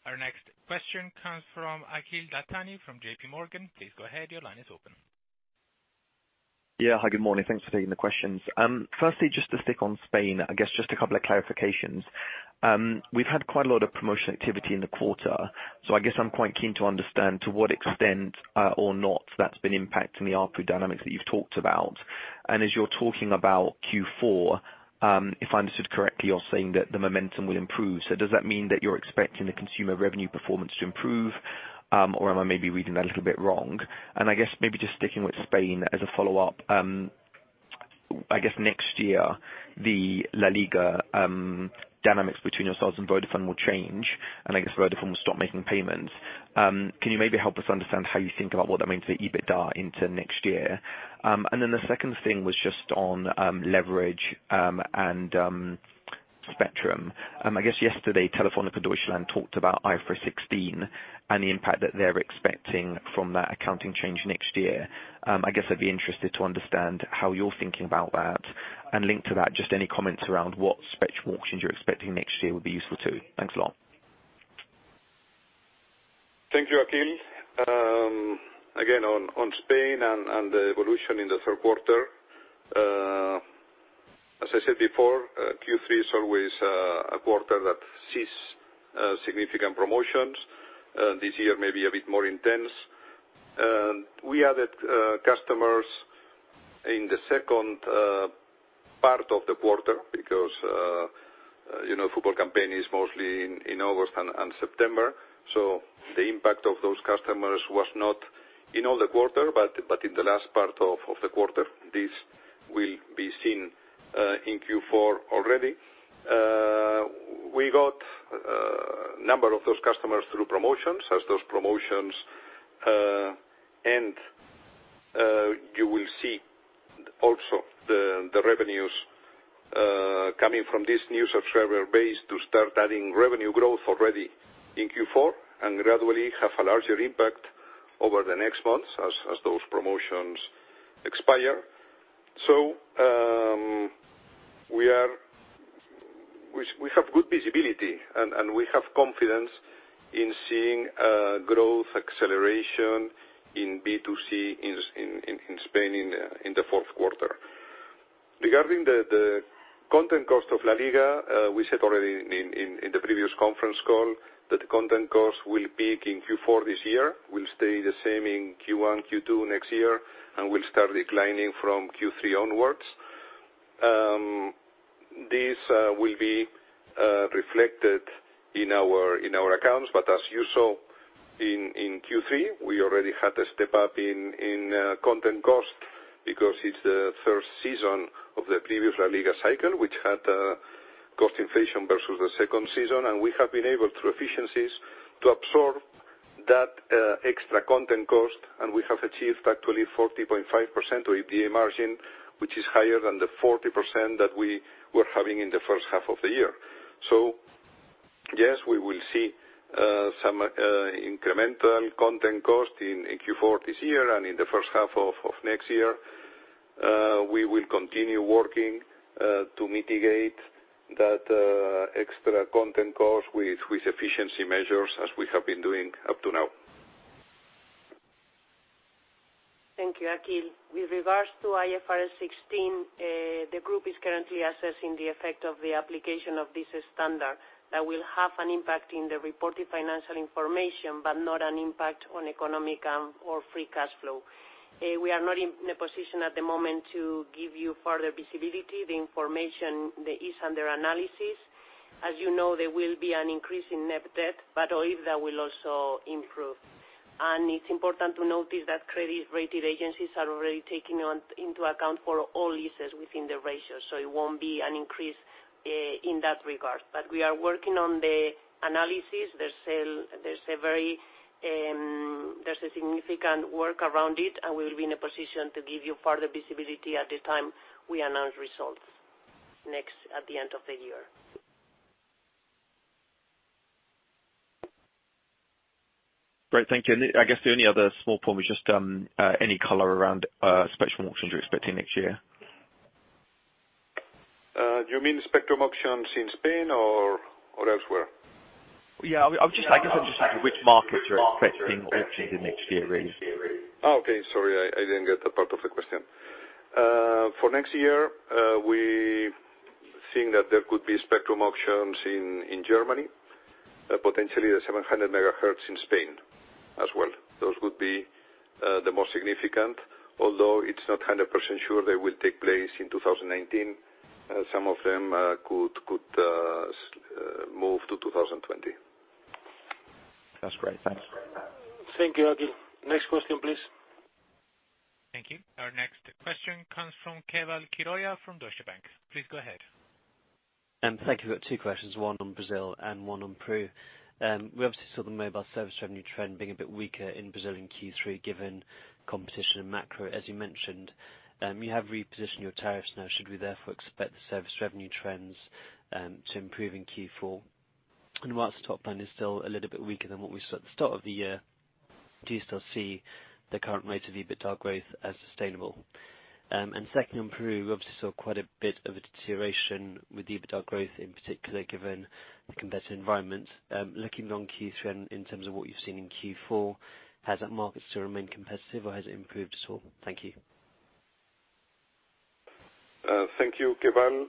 Our next question comes from Akhil Dattani from JPMorgan. Please go ahead. Your line is open. Yeah. Hi, good morning. Thanks for taking the questions. Firstly, just to stick on Spain, I guess just a couple of clarifications. We've had quite a lot of promotional activity in the quarter. I guess I'm quite keen to understand to what extent or not that's been impacting the ARPU dynamics that you've talked about. As you're talking about Q4, if I understood correctly, you're saying that the momentum will improve. Does that mean that you're expecting the consumer revenue performance to improve? Am I maybe reading that a little bit wrong? I guess maybe just sticking with Spain as a follow-up. I guess next year, the La Liga dynamics between yourselves and Vodafone will change, and I guess Vodafone will stop making payments. Can you maybe help us understand how you think about what that means for the EBITDA into next year? The second thing was just on leverage and Spectrum. I guess yesterday, Telefónica Deutschland talked about IFRS 16 and the impact that they're expecting from that accounting change next year. I guess I'd be interested to understand how you're thinking about that, and linked to that, just any comments around what Spectrum auctions you're expecting next year would be useful too. Thanks a lot. Thank you, Akhil. Again, on Spain and the evolution in the third quarter. As I said before, Q3 is always a quarter that sees significant promotions. This year may be a bit more intense. We added customers in the second part of the quarter because football campaign is mostly in August and September. The impact of those customers was not in all the quarter, but in the last part of the quarter. This will be seen in Q4 already. We got a number of those customers through promotions. As those promotions end, you will see also the revenues coming from this new subscriber base to start adding revenue growth already in Q4, and gradually have a larger impact over the next months as those promotions expire. We have good visibility, and we have confidence in seeing growth acceleration in B2C in Spain in the fourth quarter. Regarding the content cost of La Liga, we said already in the previous conference call that the content cost will peak in Q4 this year, will stay the same in Q1, Q2 next year, and will start declining from Q3 onwards. This will be reflected in our accounts. As you saw in Q3, we already had a step-up in content cost because it's the first season of the previous La Liga cycle, which had cost inflation versus the second season. We have been able, through efficiencies, to absorb that extra content cost, and we have achieved actually 40.5% of EBITDA margin, which is higher than the 40% that we were having in the first half of the year. Yes, we will see some incremental content cost in Q4 this year and in the first half of next year. We will continue working to mitigate that extra content cost with efficiency measures as we have been doing up to now. Thank you, Akhil. With regards to IFRS 16, the group is currently assessing the effect of the application of this standard that will have an impact in the reported financial information, but not an impact on economic or free cash flow. We are not in a position at the moment to give you further visibility. The information is under analysis. As you know, there will be an increase in net debt, but OIBDA will also improve. It's important to notice that credit rating agencies are already taking into account for all leases within the ratio. It won't be an increase in that regard. We are working on the analysis. There's a significant work around it, and we will be in a position to give you further visibility at the time we announce results next at the end of the year. Great. Thank you. I guess the only other small point was just any color around spectrum auctions you're expecting next year? You mean spectrum auctions in Spain or elsewhere? Yeah. I guess I'm just asking which markets you're expecting auctions in next year, really. Okay. Sorry, I didn't get that part of the question. For next year, we think that there could be spectrum auctions in Germany, potentially the 700 megahertz in Spain as well. Those would be the most significant, although it's not 100% sure they will take place in 2019. Some of them could move to 2020. That's great. Thanks. Thank you, Akhil. Next question, please. Thank you. Our next question comes from Keval Khiroya from Deutsche Bank. Please go ahead. Thank you. Got two questions, one on Brazil and one on Peru. We obviously saw the mobile service revenue trend being a bit weaker in Brazil in Q3, given competition and macro, as you mentioned. You have repositioned your tariffs now. Should we therefore expect the service revenue trends to improve in Q4? Whilst the top line is still a little bit weaker than what we saw at the start of the year, do you still see the current rate of EBITDA growth as sustainable? Second, on Peru, we obviously saw quite a bit of a deterioration with EBITDA growth in particular, given the competitive environment. Looking beyond Q3 and in terms of what you've seen in Q4, has that market still remained competitive or has it improved at all? Thank you. Thank you, Keval.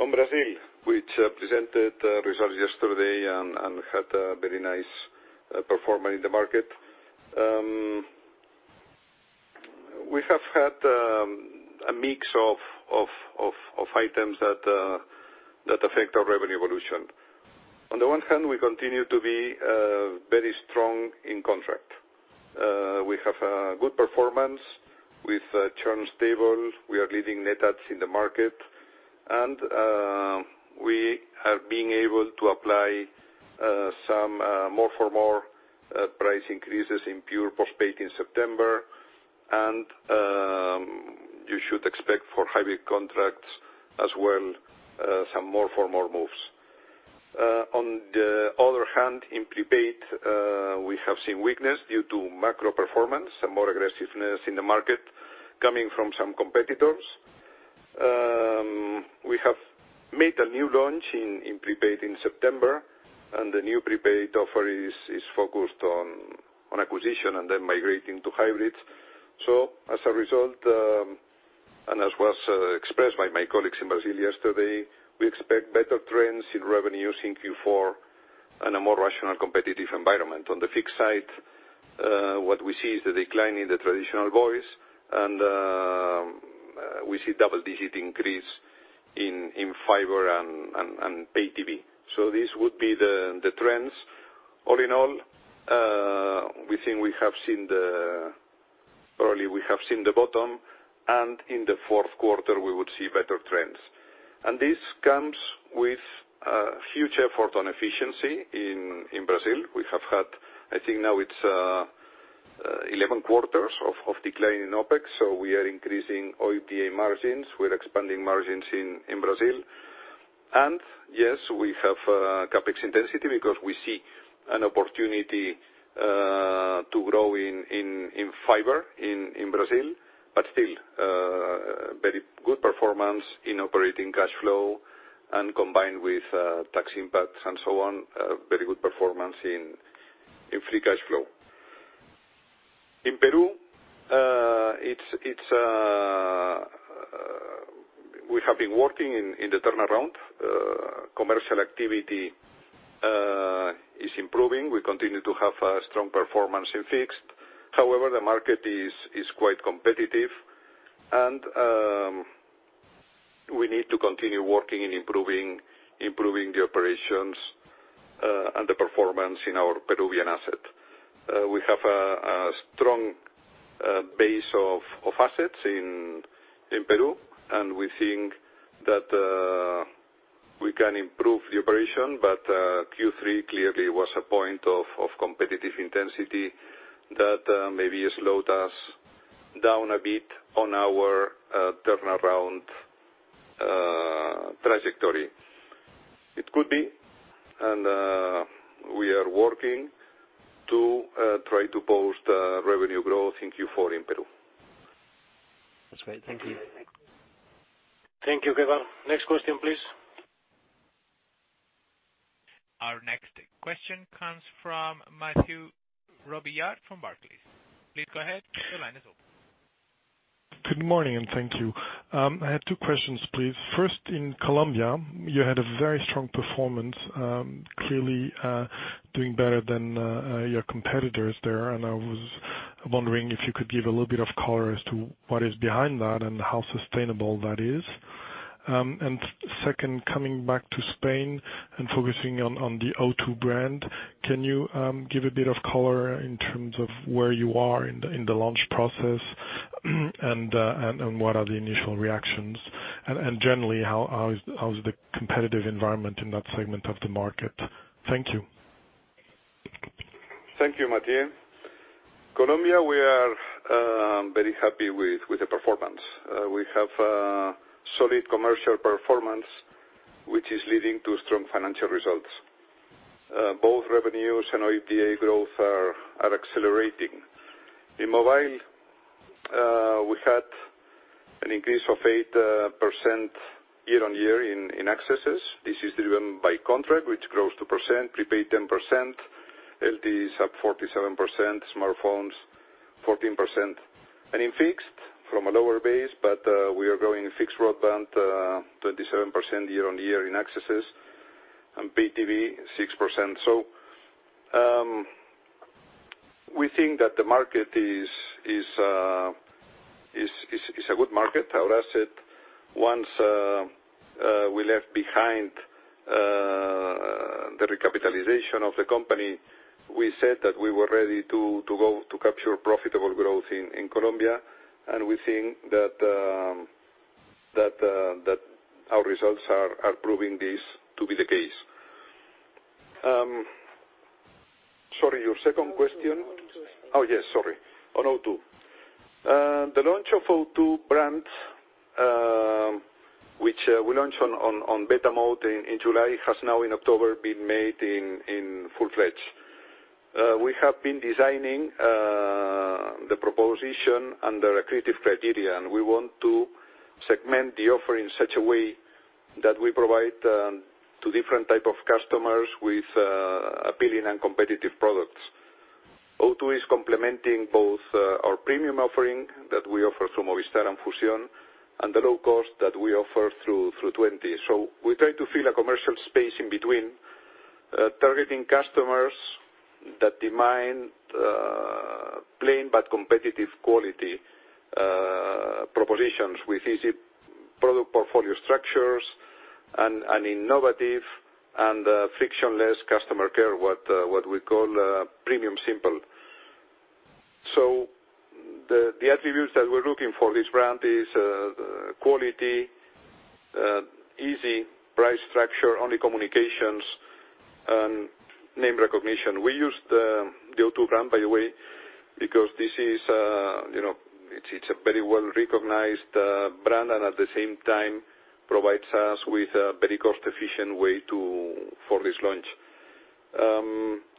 On Brazil, which presented results yesterday and had a very nice performance in the market. We have had a mix of items that affect our revenue evolution. On the one hand, we continue to be very strong in contract. We have a good performance with churn stable. We are leading net adds in the market. We have been able to apply some more for more price increases in pure postpaid in September. You should expect for hybrid contracts as well, some more for more moves. On the other hand, in prepaid, we have seen weakness due to macro performance and more aggressiveness in the market coming from some competitors. We have made a new launch in prepaid in September, and the new prepaid offer is focused on acquisition and then migrating to hybrids. As a result, as was expressed by my colleagues in Brazil yesterday, we expect better trends in revenues in Q4 and a more rational competitive environment. On the fixed side, what we see is the decline in the traditional voice, we see double-digit increase in fiber and pay TV. These would be the trends. All in all, we think we have seen the bottom, in the fourth quarter, we would see better trends. This comes with a huge effort on efficiency in Brazil. We have had, I think now it's 11 quarters of decline in OpEx, so we are increasing OIBDA margins. We're expanding margins in Brazil. Yes, we have CapEx intensity because we see an opportunity to grow in fiber in Brazil, but still very good performance in operating cash flow and combined with tax impacts and so on, very good performance in free cash flow. In Peru, we have been working in the turnaround. Commercial activity is improving. We continue to have a strong performance in fixed. However, the market is quite competitive, and we need to continue working in improving the operations and the performance in our Peruvian asset. We have a strong base of assets in Peru. We think that we can improve the operation. Q3 clearly was a point of competitive intensity that maybe slowed us down a bit on our turnaround trajectory. It could be. We are working to try to boost revenue growth in Q4 in Peru. That's great. Thank you. Thank you, Keval. Next question, please. Our next question comes from Mathieu Robilliard from Barclays. Please go ahead. Your line is open. Good morning, and thank you. I have two questions, please. First, in Colombia, you had a very strong performance, clearly doing better than your competitors there, and I was wondering if you could give a little bit of color as to what is behind that and how sustainable that is. Second, coming back to Spain and focusing on the O2 brand, can you give a bit of color in terms of where you are in the launch process and what are the initial reactions? Generally, how is the competitive environment in that segment of the market? Thank you. Thank you, Mathieu. Colombia, we are very happy with the performance. We have a solid commercial performance, which is leading to strong financial results. Both revenues and OIBDA growth are accelerating. In mobile, we had an increase of 8% year-on-year in accesses. This is driven by contract, which grows 2%, prepaid 10%, LTE is up 47%, smartphones 14%. In fixed, from a lower base, but we are growing fixed broadband 27% year-on-year in accesses and PTV 6%. We think that the market is a good market. Our asset, once we left behind the recapitalization of the company, we said that we were ready to go to capture profitable growth in Colombia. We think that our results are proving this to be the case. Sorry, your second question? O2. Oh, yes, sorry. On O2. The launch of O2 brand, which we launched on beta mode in July, has now in October been made in full-fledged. We have been designing the proposition under accretive criteria, and we want to segment the offer in such a way that we provide to different type of customers with appealing and competitive products. O2 is complementing both our premium offering that we offer through Movistar and Fusión and the low cost that we offer through Tuenti. We try to fill a commercial space in between, targeting customers that demand plain but competitive quality propositions with easy product portfolio structures and an innovative and frictionless customer care, what we call premium simple. The attributes that we're looking for this brand is quality, easy price structure, only communications, and name recognition. We use the O2 brand, by the way, because it's a very well-recognized brand, and at the same time, provides us with a very cost-efficient way for this launch.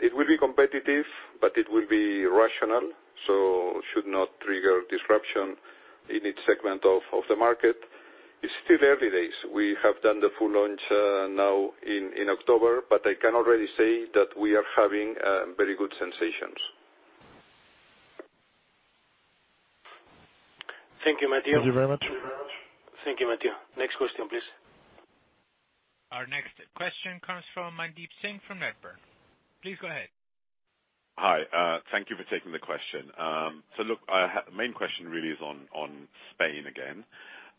It will be competitive, but it will be rational, so should not trigger disruption in each segment of the market. It's still early days. We have done the full launch now in October, but I can already say that we are having very good sensations. Thank you, Mathieu. Thank you very much. Thank you, Mathieu. Next question, please. Our next question comes from Mandeep Singh from Bloomberg. Please go ahead. Hi. Thank you for taking the question. Look, the main question really is on Spain again.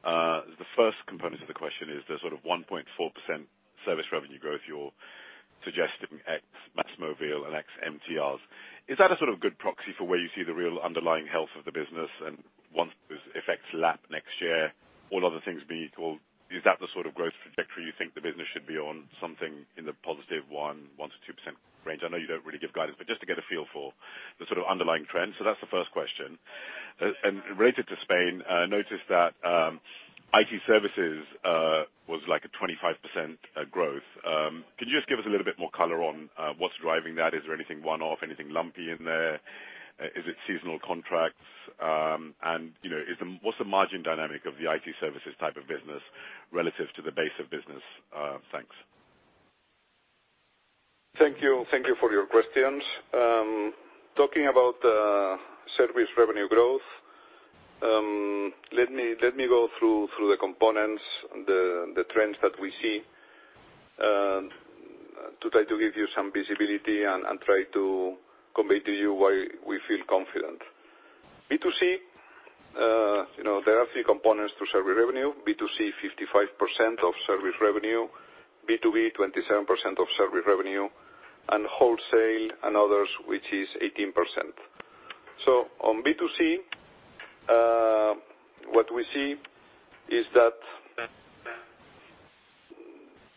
The first component of the question is the 1.4% service revenue growth you're suggesting ex MásMóvil and ex MTRs. Is that a good proxy for where you see the real underlying health of the business? And once those effects lap next year, all other things being equal, is that the sort of growth trajectory you think the business should be on, something in the positive 1%-2% range? I know you don't really give guidance, but just to get a feel for the underlying trend. That's the first question. Related to Spain, I noticed that IT services was like a 25% growth. Can you just give us a little bit more color on what's driving that? Is there anything one-off, anything lumpy in there? Is it seasonal contracts? What's the margin dynamic of the IT services type of business relative to the base of business? Thanks. Thank you for your questions. Talking about service revenue growth, let me go through the components, the trends that we see, to try to give you some visibility and try to convey to you why we feel confident. B2C, there are a few components to service revenue. B2C, 55% of service revenue, B2B, 27% of service revenue, and wholesale and others, which is 18%. On B2C, what we see is that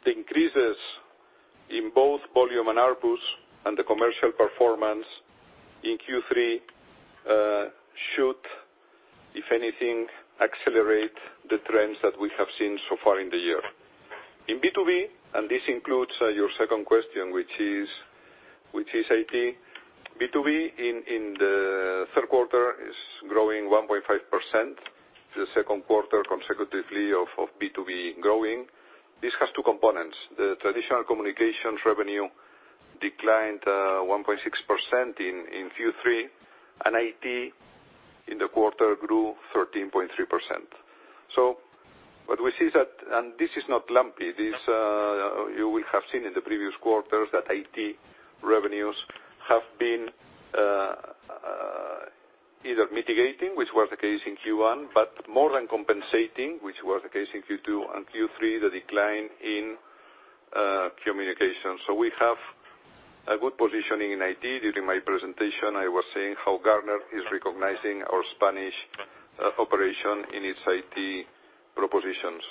the increases in both volume and ARPU and the commercial performance in Q3 should, if anything, accelerate the trends that we have seen so far in the year. In B2B, this includes your second question, which is IT. B2B in the third quarter is growing 1.5%, the second quarter consecutively of B2B growing. This has two components. The traditional communications revenue declined 1.6% in Q3, and IT in the quarter grew 13.3%. What we see is that, this is not lumpy. You will have seen in the previous quarters that IT revenues have been either mitigating, which was the case in Q1, but more than compensating, which was the case in Q2 and Q3, the decline in communication. We have a good positioning in IT. During my presentation, I was saying how Gartner is recognizing our Spanish operation in its IT propositions.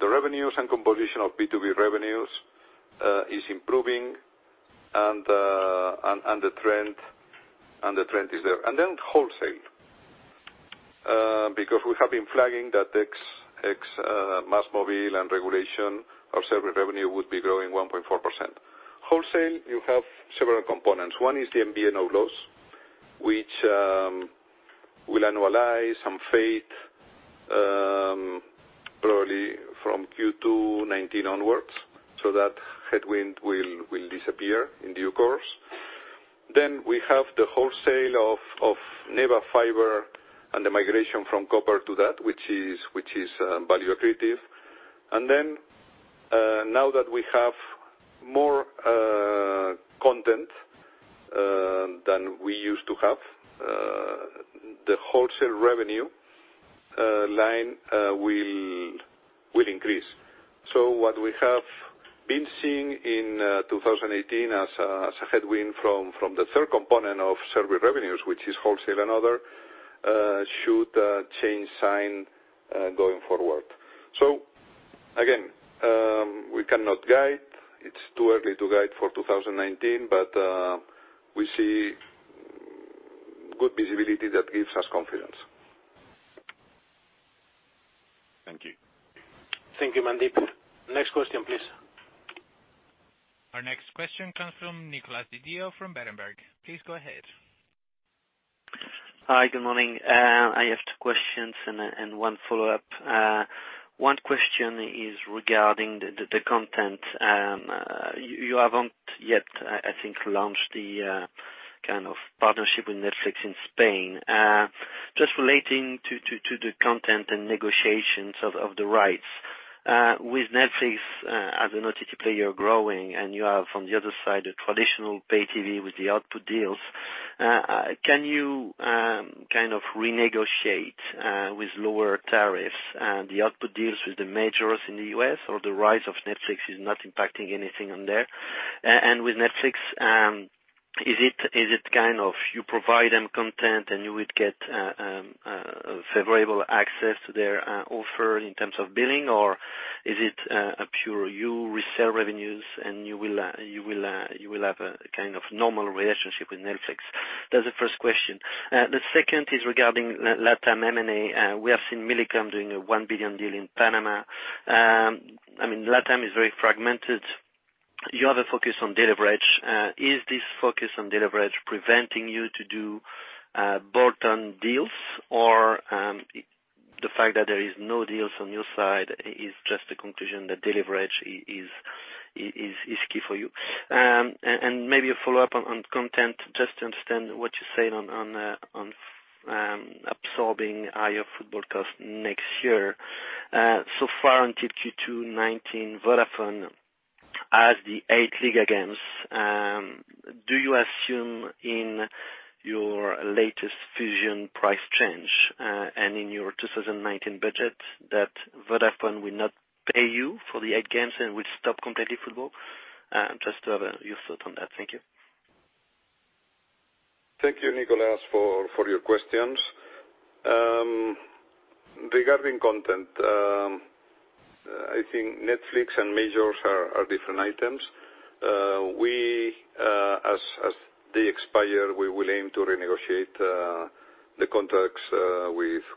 The revenues and composition of B2B revenues is improving and the trend is there. Wholesale, because we have been flagging that ex MásMóvil and regulation of service revenue would be growing 1.4%. Wholesale, you have several components. One is the MVNO loss, which will annualize some fate, probably from Q2 2019 onwards, that headwind will disappear in due course. We have the wholesale of NEBA fiber and the migration from copper to that, which is value accretive. Now that we have more content than we used to have, the wholesale revenue line will increase. What we have been seeing in 2018 as a headwind from the third component of service revenues, which is wholesale and other, should change sign going forward. Again, we cannot guide. It's too early to guide for 2019. We see good visibility that gives us confidence. Thank you. Thank you, Mandeep. Next question, please. Our next question comes from Nicolas Didio from Berenberg. Please go ahead. Hi, good morning. I have two questions and one follow-up. One question is regarding the content. You haven't yet, I think, launched the partnership with Netflix in Spain. Just relating to the content and negotiations of the rights. With Netflix as an OTT player growing, and you have, on the other side, a traditional pay TV with the output deals, can you renegotiate with lower tariffs the output deals with the majors in the U.S.? The rise of Netflix is not impacting anything on there? With Netflix, is it you provide them content and you would get favorable access to their offer in terms of billing, or is it a pure you resell revenues and you will have a normal relationship with Netflix? That's the first question. The second is regarding LatAm M&A. We have seen Millicom doing a 1 billion deal in Panama. LatAm is very fragmented. You have a focus on de-leverage. Is this focus on de-leverage preventing you to do bolt-on deals, or the fact that there is no deals on your side is just a conclusion that de-leverage is key for you? Maybe a follow-up on content, just to understand what you are saying on absorbing higher football costs next year. So far into Q2 2019, Vodafone has the eight league games. Do you assume in your latest Fusión price change, and in your 2019 budget, that Vodafone will not pay you for the eight games and will stop completely football? Just to have your thought on that. Thank you. Thank you, Nicolas, for your questions. Regarding content, I think Netflix and Majors are different items. As they expire, we will aim to renegotiate the contracts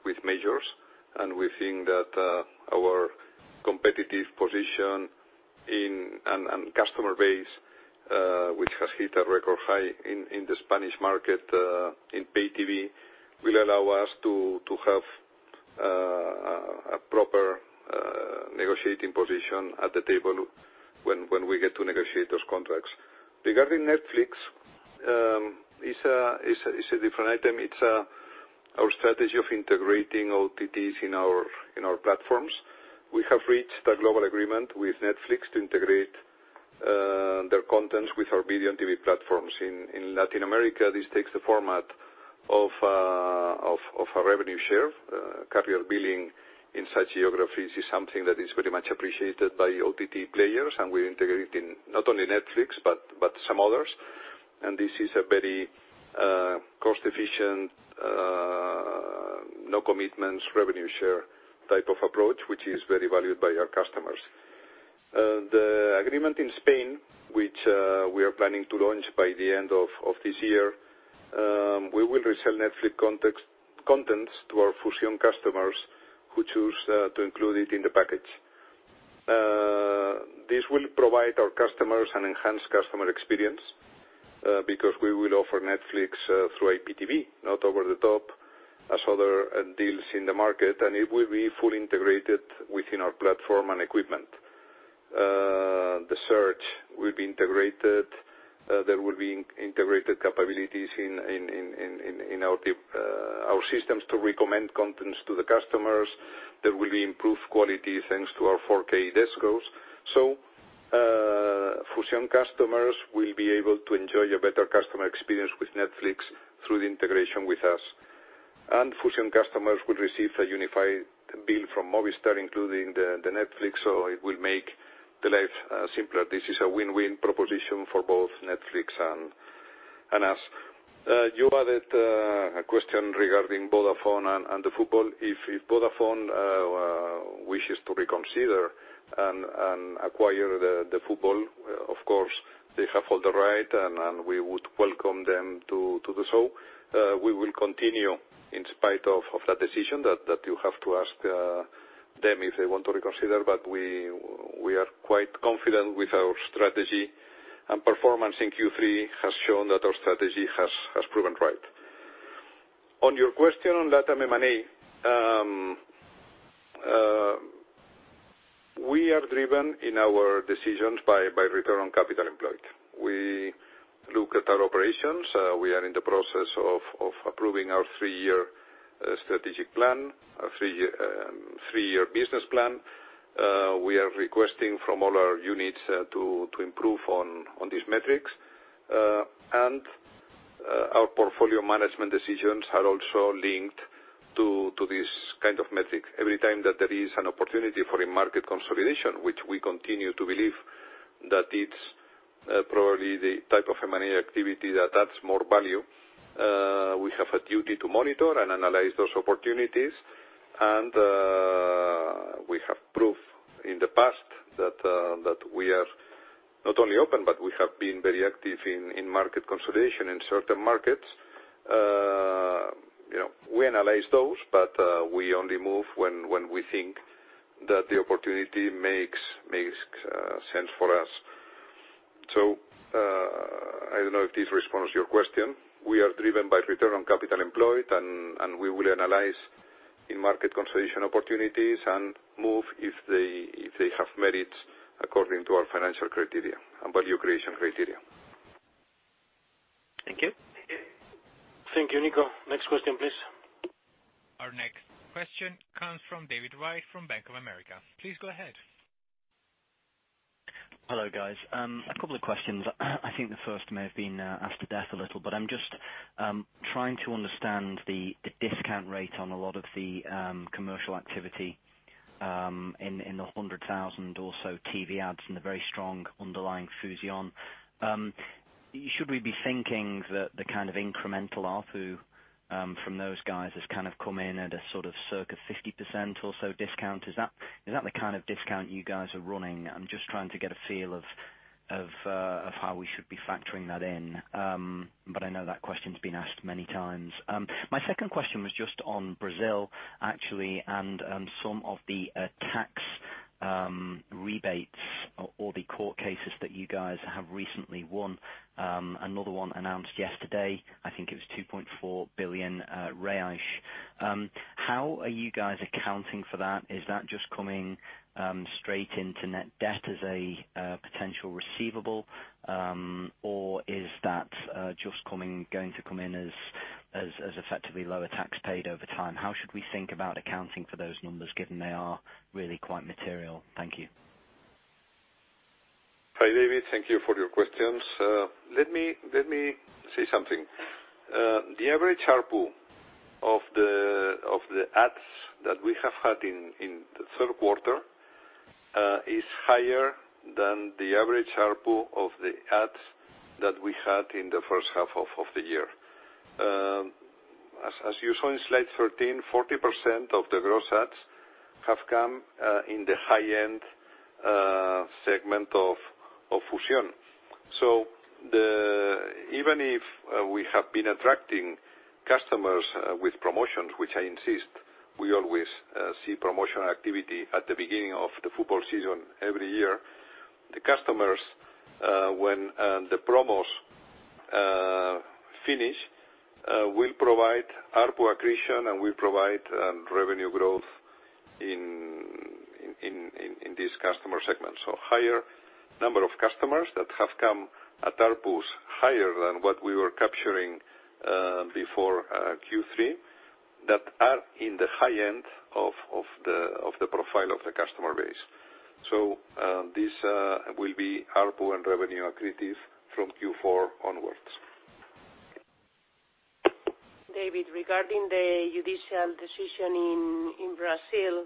with Majors. We think that our competitive position and customer base, which has hit a record high in the Spanish market in Pay TV, will allow us to have a proper negotiating position at the table when we get to negotiate those contracts. Regarding Netflix, it's a different item. It's our strategy of integrating OTTs in our platforms. We have reached a global agreement with Netflix to integrate their contents with our video and TV platforms. In Latin America, this takes the format of a revenue share. Carrier billing in such geographies is something that is very much appreciated by OTT players, and we integrate it in not only Netflix, but some others. This is a very cost-efficient, no commitments revenue share type of approach, which is very valued by our customers. The agreement in Spain, which we are planning to launch by the end of this year, we will resell Netflix contents to our Fusión customers who choose to include it in the package. This will provide our customers an enhanced customer experience, because we will offer Netflix through IPTV, not over the top, as other deals in the market, and it will be fully integrated within our platform and equipment. The search will be integrated. There will be integrated capabilities in our systems to recommend contents to the customers. There will be improved quality, thanks to our 4K decos. Fusión customers will be able to enjoy a better customer experience with Netflix through the integration with us. Fusión customers will receive a unified bill from Movistar, including the Netflix, it will make their life simpler. This is a win-win proposition for both Netflix and us. You added a question regarding Vodafone and the football. If Vodafone wishes to reconsider and acquire the football, of course, they have all the right, and we would welcome them to do so. We will continue in spite of that decision. That you have to ask them if they want to reconsider, but we are quite confident with our strategy, and performance in Q3 has shown that our strategy has proven right. On your question on LatAm M&A, we are driven in our decisions by return on capital employed. We look at our operations. We are in the process of approving our three-year strategic plan, our three-year business plan. We are requesting from all our units to improve on these metrics. Our portfolio management decisions are also linked to this kind of metric. Every time that there is an opportunity for a market consolidation, which we continue to believe that it's probably the type of M&A activity that adds more value, we have a duty to monitor and analyze those opportunities. We have proof in the past that we are not only open, but we have been very active in market consolidation in certain markets. We analyze those, but we only move when we think that the opportunity makes sense for us. I don't know if this responds to your question. We are driven by return on capital employed, and we will analyze in-market consolidation opportunities and move if they have merit according to our financial criteria and value creation criteria. Thank you. Thank you. Thank you, Nico. Next question, please. Our next question comes from David Wright from Bank of America. Please go ahead. Hello, guys. A couple of questions. I think the first may have been asked to death a little, I'm just trying to understand the discount rate on a lot of the commercial activity in the 100,000 or so TV ads and the very strong underlying Fusión. Should we be thinking that the incremental ARPU from those guys has come in at a circa 50% or so discount? Is that the kind of discount you guys are running? I'm just trying to get a feel of how we should be factoring that in. I know that question's been asked many times. My second question was just on Brazil, actually, and some of the tax rebates or the court cases that you guys have recently won. Another one announced yesterday, I think it was 2.4 billion reais. How are you guys accounting for that? Is that just coming straight into net debt as a potential receivable? Or is that just going to come in as effectively lower tax paid over time, how should we think about accounting for those numbers, given they are really quite material? Thank you. Hi, David. Thank you for your questions. Let me say something. The average ARPU of the adds that we have had in the third quarter is higher than the average ARPU of the adds that we had in the first half of the year. As you saw in slide 13, 40% of the gross adds have come in the high-end segment of Fusión. Even if we have been attracting customers with promotions, which I insist, we always see promotional activity at the beginning of the football season every year. The customers, when the promos finish, will provide ARPU accretion, and will provide revenue growth in this customer segment. Higher number of customers that have come at ARPUs higher than what we were capturing before Q3, that are in the high end of the profile of the customer base. This will be ARPU and revenue accretive from Q4 onwards. David, regarding the judicial decision in Brazil,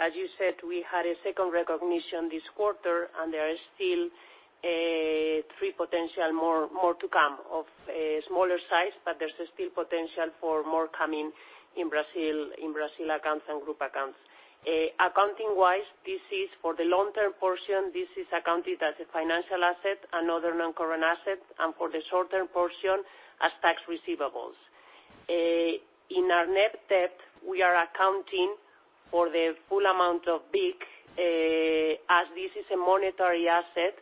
as you said, we had a second recognition this quarter, and there are still three potential more to come of a smaller size, but there is still potential for more coming in Brazil accounts and group accounts. Accounting-wise, this is for the long-term portion, this is accounted as a financial asset and other non-current assets, and for the short-term portion, as tax receivables. In our net debt, we are accounting for the full amount of VIC, as this is a monetary asset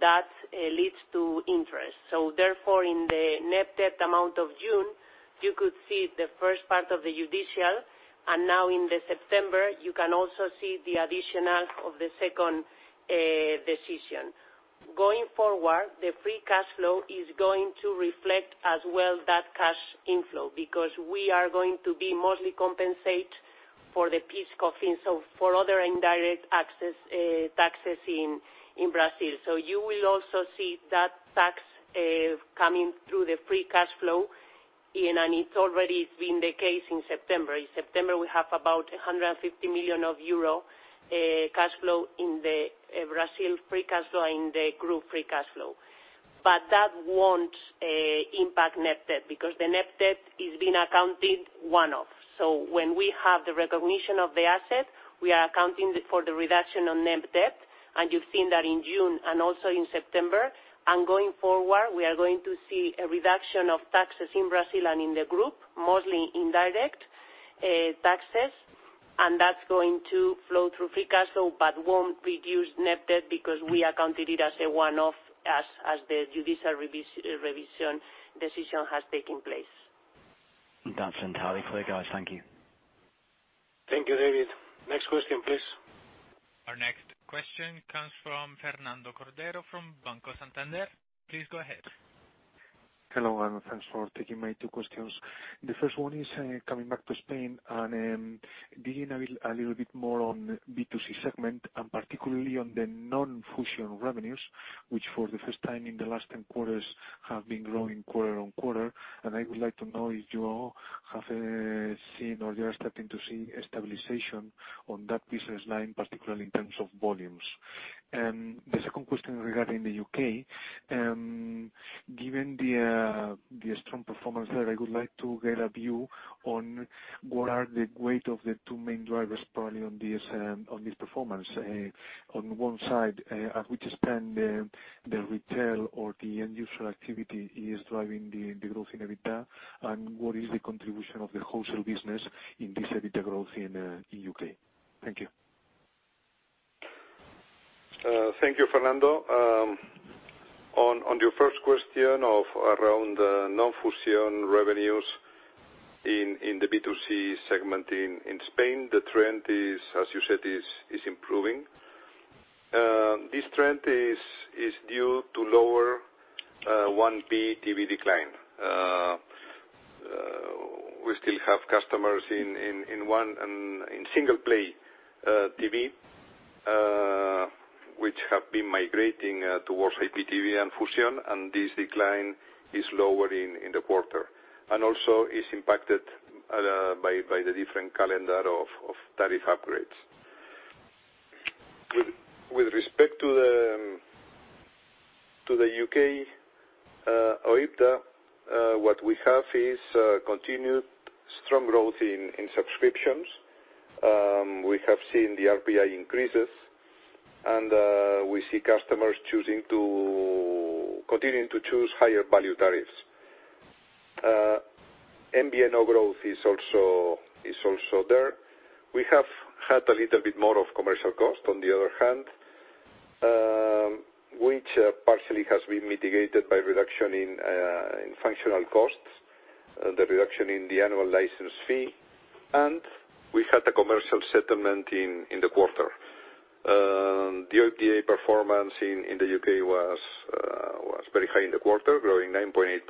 that leads to interest. Therefore, in the net debt amount of June, you could see the first part of the judicial, and now in September, you can also see the additional of the second decision. Going forward, the free cash flow is going to reflect as well that cash inflow, because we are going to be mostly compensate for the PIS/Cofins. For other indirect taxes in Brazil. You will also see that tax coming through the free cash flow in, and it has already been the case in September. In September, we have about 150 million euro cash flow in the Brazil free cash flow, in the group free cash flow. That will not impact net debt, because the net debt is being accounted one-off. When we have the recognition of the asset, we are accounting for the reduction on net debt, and you have seen that in June and also in September. Going forward, we are going to see a reduction of taxes in Brazil and in the group, mostly indirect taxes, and that is going to flow through free cash flow but will not reduce net debt because we accounted it as a one-off, as the judicial revision decision has taken place. That's entirely clear, guys. Thank you. Thank you, David. Next question, please. Our next question comes from Fernando Cordero from Banco Santander. Please go ahead. Hello, thanks for taking my two questions. The first one is coming back to Spain and digging a little bit more on B2C segment, and particularly on the non-Fusión revenues, which for the first time in the last 10 quarters have been growing quarter-on-quarter. I would like to know if you all have seen or you are starting to see a stabilization on that business line, particularly in terms of volumes. The second question regarding the U.K. Given the strong performance there, I would like to get a view on what are the weight of the two main drivers probably on this performance. On one side, at which spend the retail or the end user activity is driving the growth in EBITDA, and what is the contribution of the wholesale business in this EBITDA growth in U.K. Thank you. Thank you, Fernando. On your first question of around non-Fusión revenues in the B2C segment in Spain, the trend is, as you said, improving. This trend is due to lower 1P TV decline. We still have customers in single play TV, which have been migrating towards IPTV and Fusión, and this decline is lower in the quarter. Also is impacted by the different calendar of tariff upgrades. With respect to the U.K. OIBDA, what we have is continued strong growth in subscriptions. We have seen the RPI increases, and we see customers continuing to choose higher value tariffs. MBN overall is also there. We have had a little bit more of commercial cost on the other hand, which partially has been mitigated by reduction in functional costs, the reduction in the annual license fee, and we had a commercial settlement in the quarter. The OIBDA performance in the U.K. was very high in the quarter, growing 9.8%.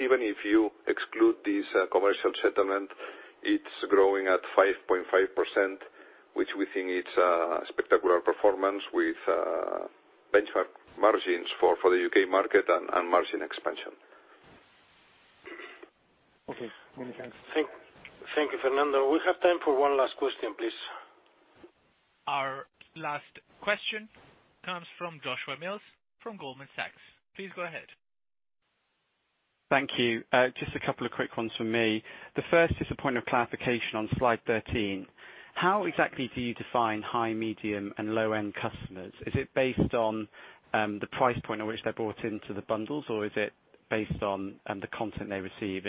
Even if you exclude this commercial settlement, it's growing at 5.5%, which we think it's a spectacular performance with benchmark margins for the U.K. market and margin expansion. Okay. Many thanks. Thank you, Fernando. We have time for one last question, please. Our last question comes from Joshua Mills from Goldman Sachs. Please go ahead. Thank you. Just a couple of quick ones from me. The first is a point of clarification on slide 13. How exactly do you define high, medium, and low-end customers? Is it based on the price point at which they're brought into the bundles, or is it based on the content they receive?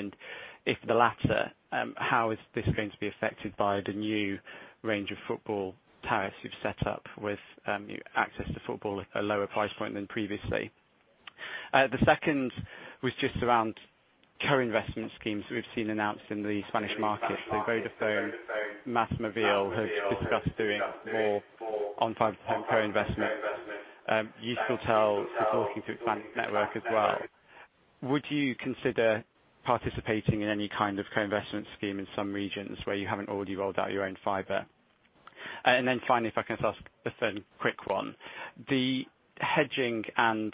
If the latter, how is this going to be affected by the new range of football tariffs you've set up with access to football at a lower price point than previously? The second was just around co-investment schemes we've seen announced in the Spanish market. Vodafone, MásMóvil have discussed doing more on fiber tech co-investment. Euskaltel is talking to Planet Network as well. Would you consider participating in any co-investment scheme in some regions where you haven't already rolled out your own fiber? Finally, if I can just ask a third quick one. The hedging and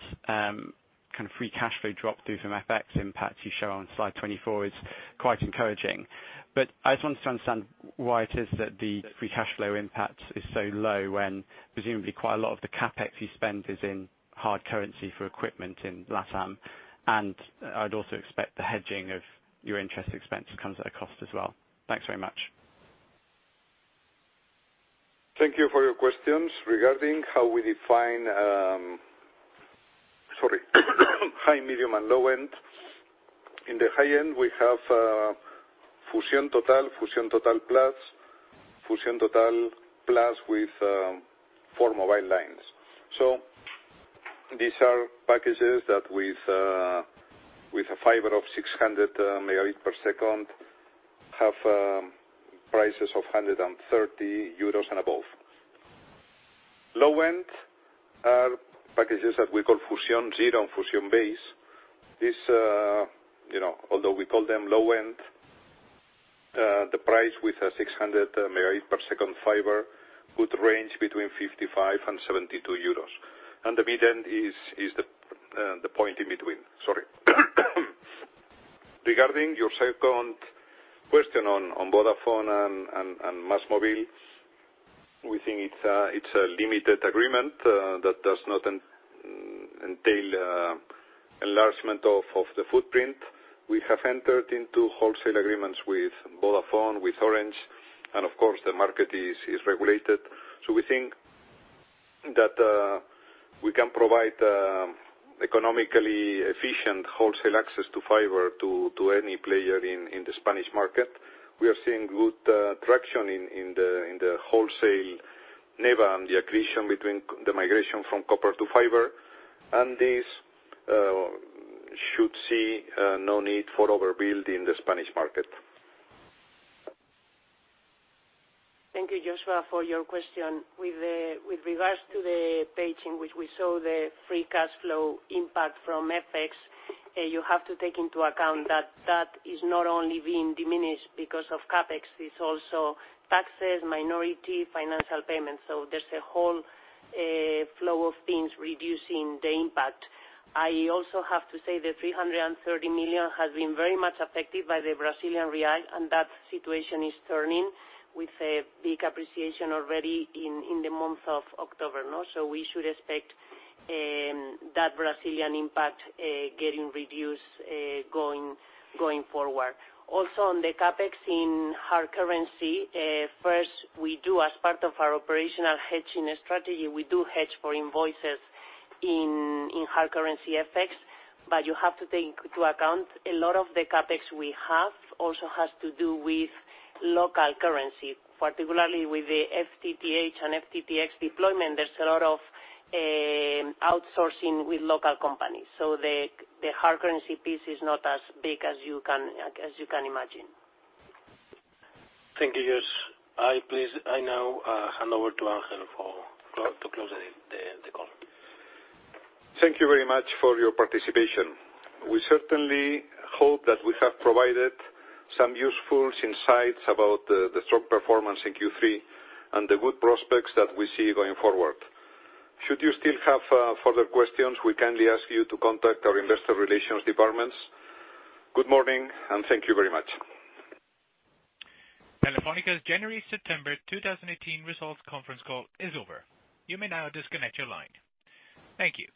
free cash flow drop due from FX impacts you show on slide 24 is quite encouraging. I just wanted to understand why it is that the free cash flow impact is so low when presumably quite a lot of the CapEx you spend is in hard currency for equipment in LATAM, and I'd also expect the hedging of your interest expense comes at a cost as well. Thanks very much. Thank you for your questions regarding how we define high, medium, and low end. In the high end, we have Fusión Total, Fusión Total Plus, Fusión Total Plus with four mobile lines. These are packages that with a fiber of 600 megabit per second have prices of 130 euros and above. Low end are packages that we call Fusión Cero and Fusión Base. Although we call them low end, the price with a 600 megabit per second fiber would range between 55 and 72 euros. The mid end is the point in between. Sorry. Regarding your second question on Vodafone and MásMóvil, we think it's a limited agreement that does not entail enlargement of the footprint. We have entered into wholesale agreements with Vodafone, with Orange, of course, the market is regulated. We think that we can provide economically efficient wholesale access to fiber to any player in the Spanish market. We are seeing good traction in the wholesale NEBA and the accretion between the migration from copper to fiber, and this should see no need for overbuild in the Spanish market. Thank you, Joshua, for your question. With regards to the page in which we saw the free cash flow impact from FX, you have to take into account that that is not only being diminished because of CapEx, it is also taxes, minority, financial payments. There is a whole flow of things reducing the impact. I also have to say the 330 million has been very much affected by the Brazilian real, and that situation is turning with a big appreciation already in the month of October. We should expect that Brazilian impact getting reduced going forward. Also, on the CapEx in hard currency, first, as part of our operational hedging strategy, we do hedge for invoices in hard currency FX. You have to take into account a lot of the CapEx we have also has to do with local currency, particularly with the FTTH and FTTx deployment. There is a lot of outsourcing with local companies. The hard currency piece is not as big as you can imagine. Thank you, Josh. I now hand over to Ángel to close the call. Thank you very much for your participation. We certainly hope that we have provided some useful insights about the strong performance in Q3 and the good prospects that we see going forward. Should you still have further questions, we kindly ask you to contact our investor relations departments. Good morning, and thank you very much. Telefónica's January to September 2018 results conference call is over. You may now disconnect your line. Thank you.